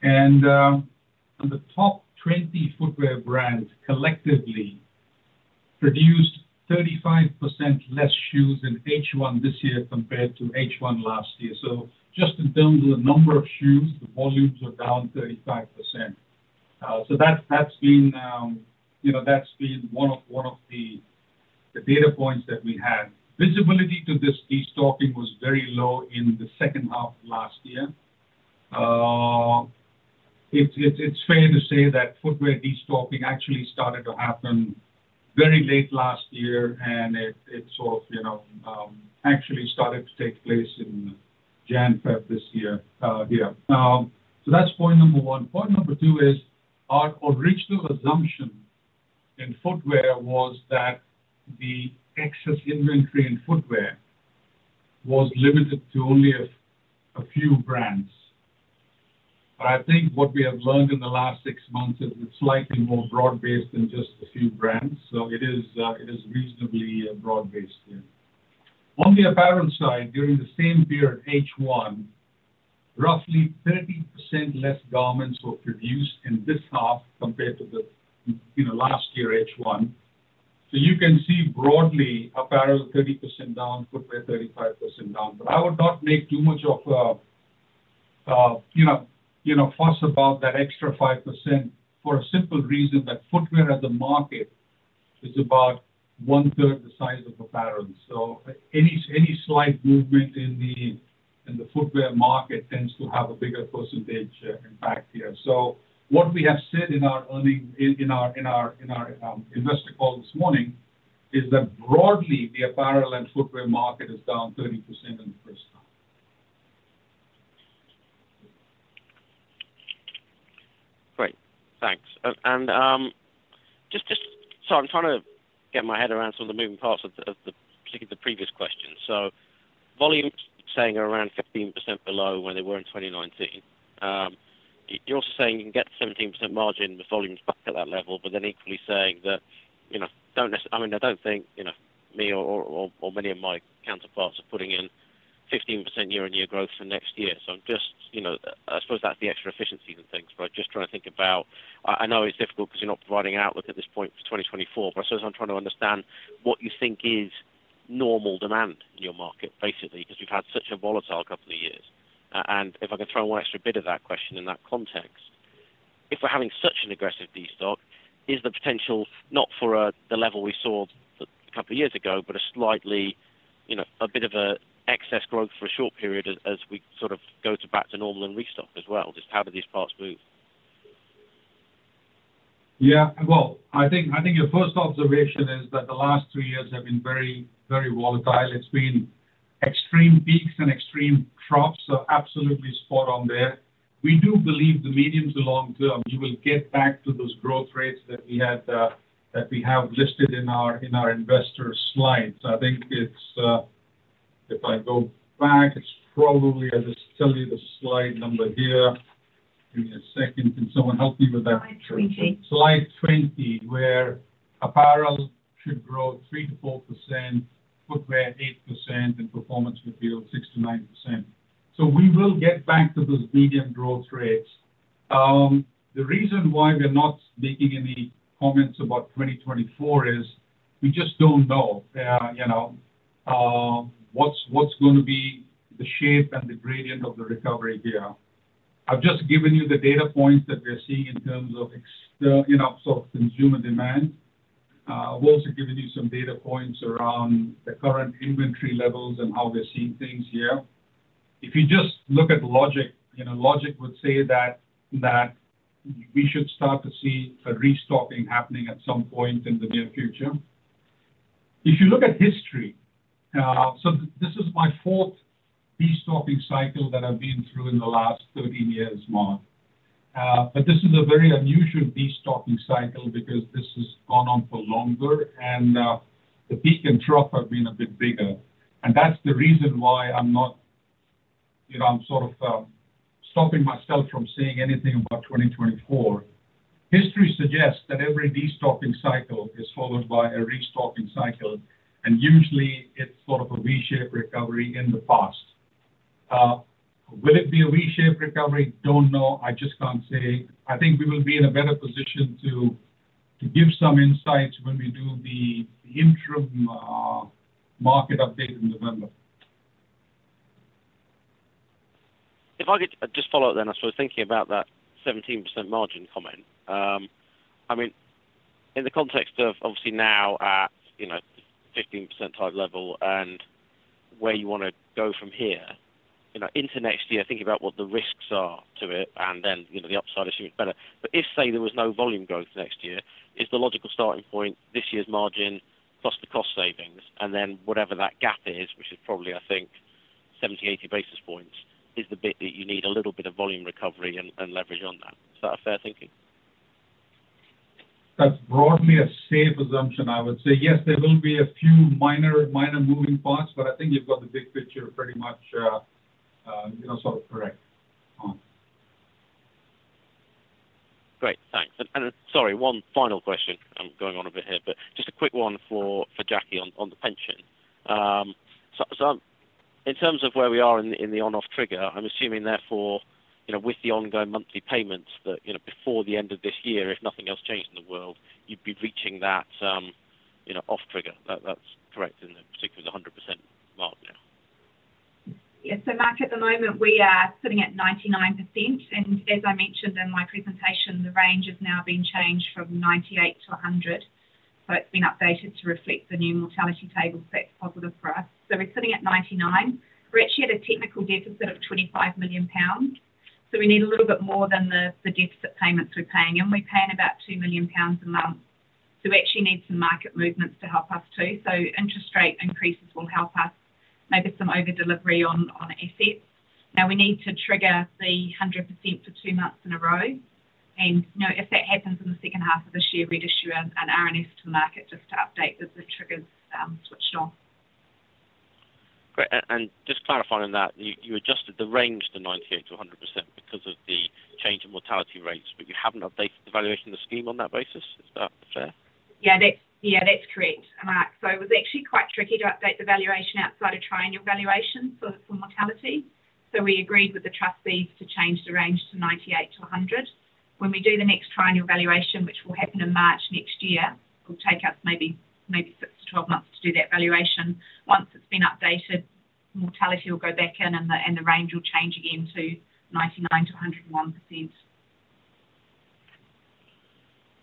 The top 20 footwear brands collectively produced 35% less shoes in H1 this year compared to H1 last year. Just in terms of the number of shoes, the volumes are down 35%. That's, that's been, you know, that's been one of, one of the, the data points that we had. Visibility to this destocking was very low in the second half of last year. It's, it's, it's fair to say that footwear destocking actually started to happen very late last year, it, it sort of, you know, actually started to take place in Jan, Feb this year, yeah. That's point number 1. Point number 2 is, our original assumption in footwear was that the excess inventory in footwear was limited to only a, a few brands. I think what we have learned in the last 6 months is it's slightly more broad-based than just a few brands, so it is, it is reasonably broad-based, yeah. On the apparel side, during the same period, H1, roughly 30% less garments were produced in this half compared to the, you know, last year, H1. You can see broadly, apparel is 30% down, footwear, 35% down. I would not make too much of a, you know, you know, fuss about that extra 5% for a simple reason that footwear as a market is about 1/3 the size of apparel. Any, any slight movement in the, in the footwear market tends to have a bigger percentage impact here. What we have said in our earnings, in, in our, in our, in our investor call this morning is that broadly, the apparel and footwear market is down 30% in the first half. Great. Thanks. Just, just so I'm trying to get my head around some of the moving parts of the, of the, particularly the previous question. Volumes saying around 15% below where they were in 2019. You're also saying you can get 17% margin with volumes back at that level, but then equally saying that, you know, don't necessarily-- I mean, I don't think, you know, me or, or, or, or many of my counterparts are putting in 15% year-on-year growth for next year. I'm just, you know, I suppose that's the extra efficiency and things, but just trying to think about... I, I know it's difficult because you're not providing an outlook at this point for 2024. I suppose I'm trying to understand what you think is normal demand in your market, basically, because we've had such a volatile 2 years. If I can throw 1 extra bit of that question in that context, if we're having such an aggressive destock, is the potential not for a, the level we saw 2 years ago, but a slightly, you know, a bit of a excess growth for a short period as, as we sort of go to back to normal and restock as well? Just how do these parts move? Well, I think, I think your first observation is that the last two years have been very, very volatile. It's been extreme peaks and extreme troughs, so absolutely spot on there. We do believe the medium to long term, you will get back to those growth rates that we had, that we have listed in our, in our investor slides. I think if I go back, it's probably, I'll just tell you the slide number here. Give me a second. Can someone help me with that? Slide 20. Slide 20, where apparel should grow 3%-4%, footwear 8%, and performance would be 6%-9%. We will get back to those medium growth rates. The reason why we're not making any comments about 2024 is we just don't know, you know, what's, what's going to be the shape and the gradient of the recovery here. I've just given you the data points that we're seeing in terms of you know, sort of consumer demand. I've also given you some data points around the current inventory levels and how we're seeing things here. If you just look at logic, you know, logic would say that, that we should start to see a restocking happening at some point in the near future. If you look at history, this is my fourth destocking cycle that I've been through in the last 13 years, Mark. This is a very unusual destocking cycle because this has gone on for longer, and the peak and trough have been a bit bigger. That's the reason why I'm not, you know, I'm sort of stopping myself from saying anything about 2024. History suggests that every destocking cycle is followed by a restocking cycle, and usually, it's sort of a V-shaped recovery in the past. Will it be a V-shaped recovery? Don't know. I just can't say. I think we will be in a better position to, to give some insights when we do the interim market update in November. If I could just follow up then, I was sort of thinking about that 17% margin comment. I mean, in the context of obviously now at, you know, 15% type level and where you want to go from here, you know, into next year, thinking about what the risks are to it, and then, you know, the upside is so much better. But if, say, there was no volume growth next year, is the logical starting point, this year's margin plus the cost savings, and then whatever that gap is, which is probably, I think, 70, 80 basis points, is the bit that you need a little bit of volume recovery and, and leverage on that. Is that a fair thinking? That's broadly a safe assumption, I would say. Yes, there will be a few minor, minor moving parts, but I think you've got the big picture pretty much, you know, sort of correct, Mark. Great. Thanks. Sorry, one final question. I'm going on a bit here, but just a quick one for Jackie Callaway on the pension. So in terms of where we are in the, in the on-off trigger, I'm assuming therefore, you know, with the ongoing monthly payments that, you know, before the end of this year, if nothing else changed in the world, you'd be reaching that, you know, off trigger. That's correct, in particular, the 100% mark, yeah? Yes. Mark, at the moment, we are sitting at 99%, and as I mentioned in my presentation, the range has now been changed from 98%-100%. It's been updated to reflect the new mortality tables. That's positive for us. We're sitting at 99%. We're actually at a technical deficit of 25 million pounds, so we need a little bit more than the, the deficit payments we're paying in. We're paying about 2 million pounds a month, we actually need some market movements to help us, too. Interest rate increases will help us, maybe some overdelivery on, on assets. Now, we need to trigger 100% for two months in a row, and, you know, if that happens in the second half of this year, we'd issue an, an RNS to the market just to update that the trigger's switched on. Great. Just clarifying that, you, you adjusted the range to 98%-100% because of the change in mortality rates, but you haven't updated the valuation of the scheme on that basis. Is that fair? Yeah, that's correct, Mark. It was actually quite tricky to update the valuation outside of triennial valuation for mortality. We agreed with the trustees to change the range to 98%-100%. When we do the next triennial valuation, which will happen in March next year, it will take us maybe six to 12 months to do that valuation. Once it's been updated mortality will go back in, and the, and the range will change again to 99%-101%.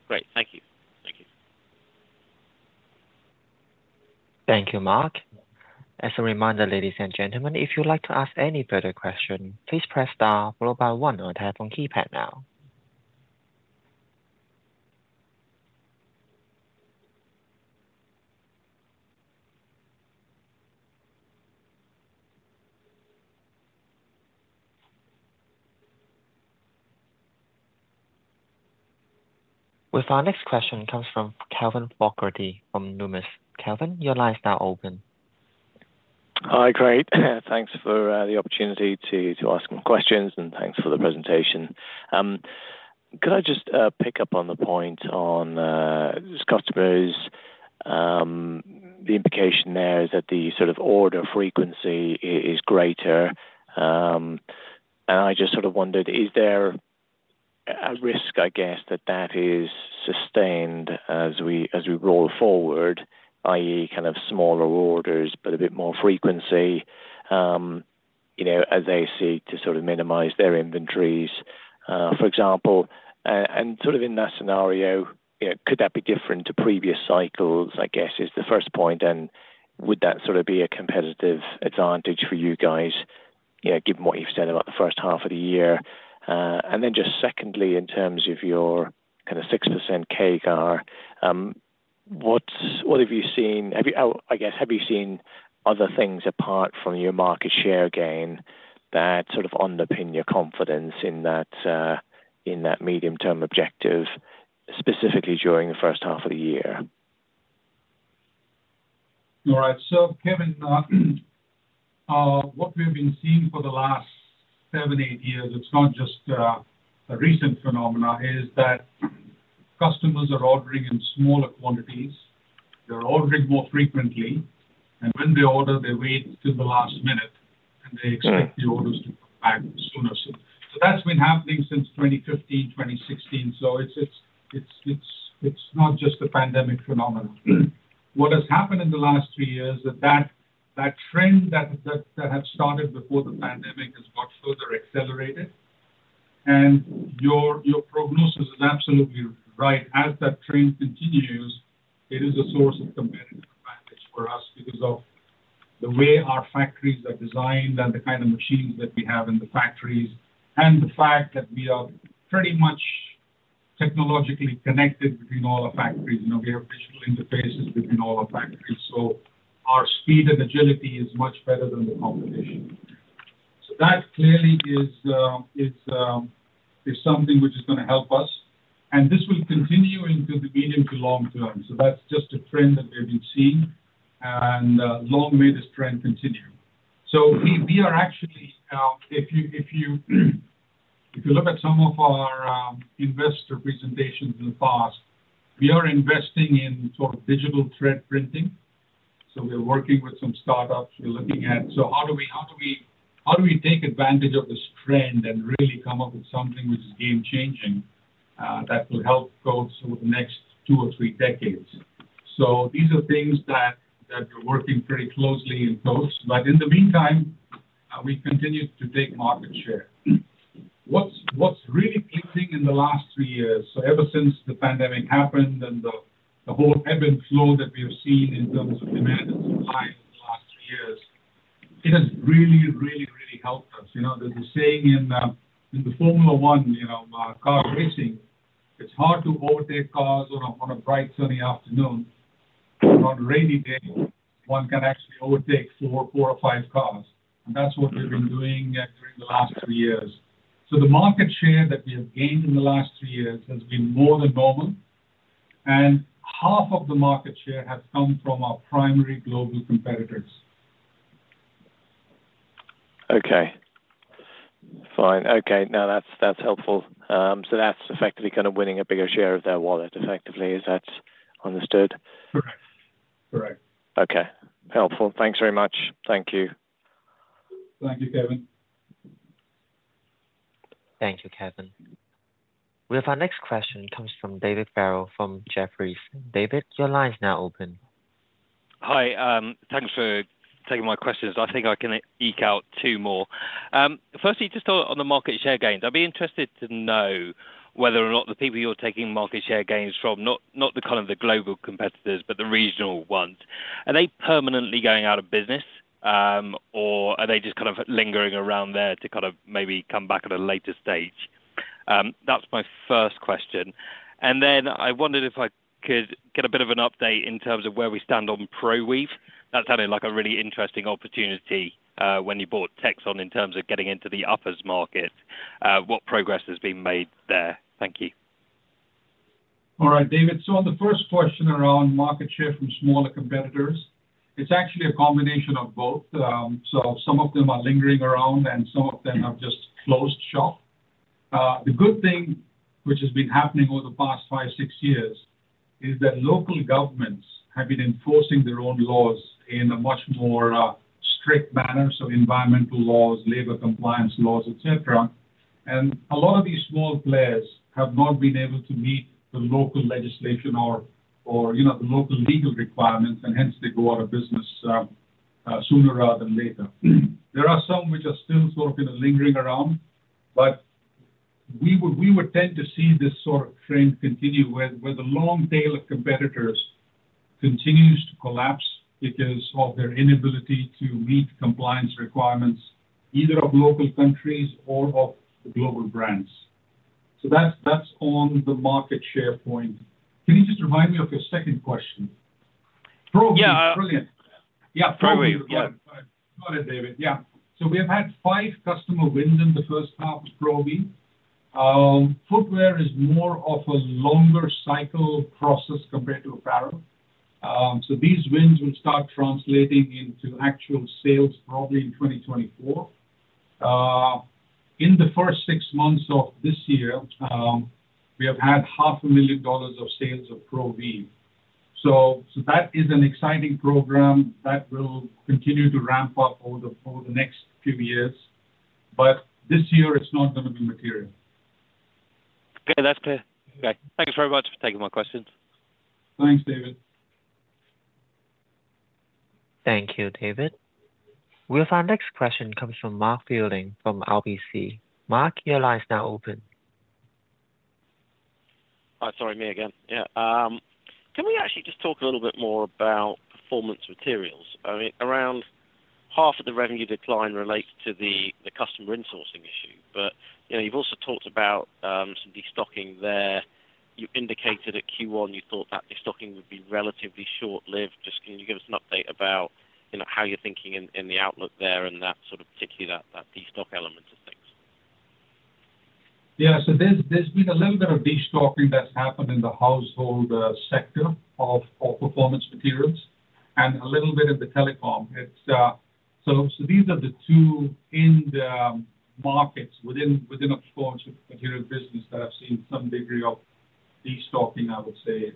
Great. Thank you. Thank you. Thank you, Mark. As a reminder, ladies and gentlemen, if you'd like to ask any further question, please press star followed by one on your telephone keypad now. Our next question comes from Kevin Fogarty from Numis. Kevin, your line is now open. Hi, great. Thanks for the opportunity to ask some questions, and thanks for the presentation. Could I just pick up on the point on customers? The implication there is that the sort of order frequency is greater. I just sort of wondered, is there a risk, I guess, that that is sustained as we, as we roll forward, i.e., kind of smaller orders, but a bit more frequency, you know, as they seek to sort of minimize their inventories, for example, and sort of in that scenario, you know, could that be different to previous cycles, I guess, is the first point, and would that sort of be a competitive advantage for you guys, you know, given what you've said about the first half of the year? Then just secondly, in terms of your kind of 6% CAGR, what's, what have you seen? I guess, have you seen other things apart from your market share gain, that sort of underpin your confidence in that, in that medium-term objective, specifically during the first half of the year? All right. Kevin, what we have been seeing for the last seven, eight years, it's not just a recent phenomenon, is that customers are ordering in smaller quantities. They're ordering more frequently, and when they order, they wait till the last minute, and they expect the orders to come back sooner. That's been happening since 2015, 2016. It's not just a pandemic phenomenon. What has happened in the last three years is that trend that had started before the pandemic has got further accelerated, and your, your prognosis is absolutely right. As that trend continues, it is a source of competitive advantage for us because of the way our factories are designed and the kind of machines that we have in the factories, and the fact that we are pretty much technologically connected between all the factories. You know, we have visual interfaces between all our factories, so our speed and agility is much better than the competition. That clearly is, it's, is something which is gonna help us, and this will continue into the medium to long term. That's just a trend that we've been seeing, and long may this trend continue. We, we are actually, if you, if you, if you look at some of our investor presentations in the past, we are investing in sort of digital thread dyeing. We're working with some startups, we're looking at. How do we, how do we, how do we take advantage of this trend and really come up with something which is game-changing, that will help go through the next two or three decades? These are things that, that we're working pretty closely in close, but in the meantime, we continue to take market share. What's, what's really pleasing in the last three years, so ever since the pandemic happened and the, the whole ebb and flow that we have seen in terms of demand and supply over the last three years, it has really, really, really helped us. You know, there's a saying in, in the Formula One, you know, car racing, "It's hard to overtake cars on a, on a bright, sunny afternoon. On a rainy day, one can actually overtake four, four or five cars." That's what we've been doing, during the last three years. The market share that we have gained in the last three years has been more than normal, and half of the market share has come from our primary global competitors. Okay. Fine. Okay, now, that's, that's helpful. That's effectively kind of winning a bigger share of their wallet effectively. Is that understood? Correct. Correct. Okay. Helpful. Thanks very much. Thank you. Thank you, Kevin. Thank you, Kevin. Well, our next question comes from David Farrell, from Jefferies. David, your line is now open. Hi. Thanks for taking my questions. I think I can eke out two more. Firstly, just on the market share gains, I'd be interested to know whether or not the people you're taking market share gains from, not, not the kind of the global competitors, but the regional ones, are they permanently going out of business, or are they just kind of lingering around there to kind of maybe come back at a later stage? That's my first question. Then I wondered if I could get a bit of an update in terms of where we stand on ProWeave. That sounded like a really interesting opportunity, when you bought Texon in terms of getting into the uppers market. What progress has been made there? Thank you. All right, David. On the first question around market share from smaller competitors, it's actually a combination of both. Some of them are lingering around, and some of them have just closed shop. The good thing which has been happening over the past five, six years, is that local governments have been enforcing their own laws in a much more strict manner. Environmental laws, labor compliance laws, et cetera. A lot of these small players have not been able to meet the local legislation or, you know, the local legal requirements, and hence they go out of business sooner rather than later. There are some which are still sort of lingering around, but we would, we would tend to see this sort of trend continue, where, where the long tail of competitors continues to collapse because of their inability to meet compliance requirements, either of local countries or of the global brands. So that's, that's on the market share point. Can you just remind me of your second question? ProWeave? Yeah. Brilliant. Yeah. ProWeave. Yeah. Got it, David. Yeah. We have had five customer wins in the first half with ProWeave. Footwear is more of a longer cycle process compared to apparel. These wins will start translating into actual sales probably in 2024. In the first six months of this year, we have had $500,000 of sales of ProWeave. So that is an exciting program that will continue to ramp up over the, over the next few years, but this year it's not going to be material. Okay, that's clear. Okay. Thank you very much for taking my questions. Thanks, David. Thank you, David. Well, our next question comes from Mark Fielding from RBC. Mark, your line is now open. Hi. Sorry, me again. Can we actually just talk a little bit more about performance materials? I mean, around half of the revenue decline relates to the, the customer insourcing issue, but, you know, you've also talked about some destocking there. You indicated at Q1, you thought that destocking would be relatively short-lived. Just can you give us an update about, you know, how you're thinking in the outlook there and that sort of particularly that, that destock element of things? Yeah. There's, there's been a little bit of destocking that's happened in the household sector of performance materials and a little bit in the telecom. These are the two end markets within a performance materials business that have seen some degree of destocking, I would say.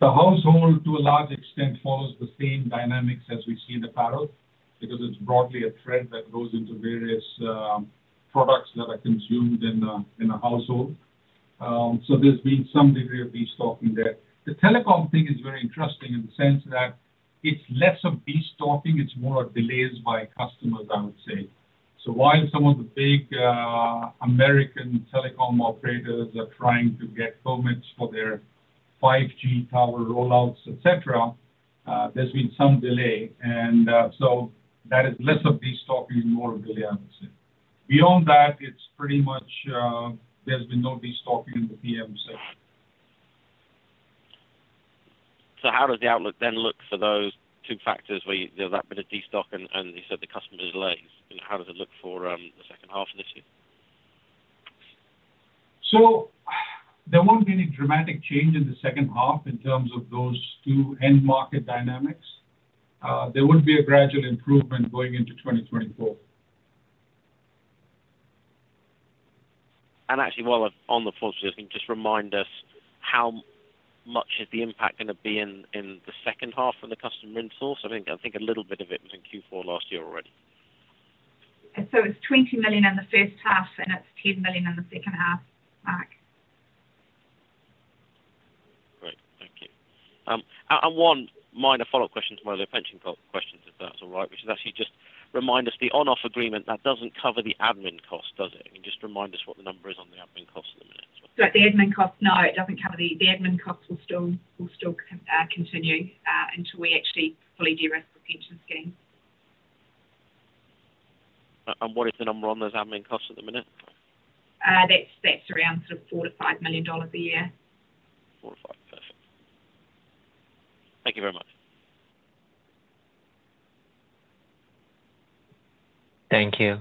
The household, to a large extent, follows the same dynamics as we see in apparel because it's broadly a trend that goes into various products that are consumed in a household. There's been some degree of destocking there. The telecom thing is very interesting in the sense that it's less of destocking, it's more of delays by customers, I would say. While some of the big American telecom operators are trying to get permits for their 5G tower rollouts, et cetera, there's been some delay and, so that is less of destocking, more of a delay, I would say. Beyond that, it's pretty much, there's been no destocking in the PM sector. How does the outlook then look for those two factors where there's that bit of destock and you said the customer delays, and how does it look for the second half of this year? There won't be any dramatic change in the second half in terms of those two end market dynamics. There would be a gradual improvement going into 2024. Actually, while on the subject, can you just remind us how much is the impact gonna be in, in the second half from the customer insource? I think, I think a little bit of it was in Q4 last year already. It's $20 million in the first half, and it's $10 million in the second half, Mark. Great. Thank you. One minor follow-up question to my other pension questions, if that's all right, which is actually just remind us the off-on trigger, that doesn't cover the admin cost, does it? Can you just remind us what the number is on the admin cost at the minute as well? The admin cost, no, it doesn't cover the. The admin costs will still, will still, continue, until we actually fully de-risk the pension scheme. What is the number on those admin costs at the minute? That's, that's around sort of $4 million-$5 million a year. Four to five. Perfect. Thank you very much. Thank you.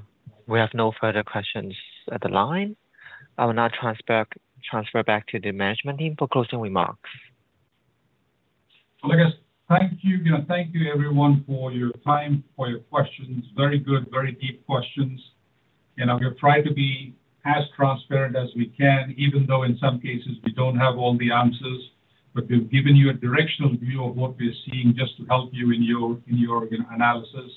We have no further questions on the line. I will now transfer back, transfer back to the management team for closing remarks. Well, I guess, thank you. You know, thank you everyone for your time, for your questions. Very good, very deep questions. We've tried to be as transparent as we can, even though in some cases we don't have all the answers. We've given you a directional view of what we're seeing just to help you in your, in your, you know, analysis.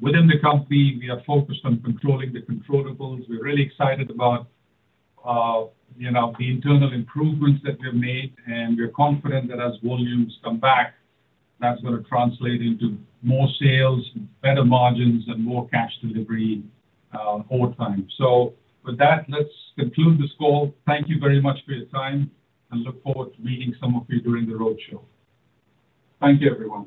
Within the company, we are focused on controlling the controllables. We're really excited about, you know, the internal improvements that we've made. We're confident that as volumes come back, that's going to translate into more sales, better margins, and more cash delivery over time. With that, let's conclude this call. Thank you very much for your time and look forward to meeting some of you during the roadshow. Thank you, everyone.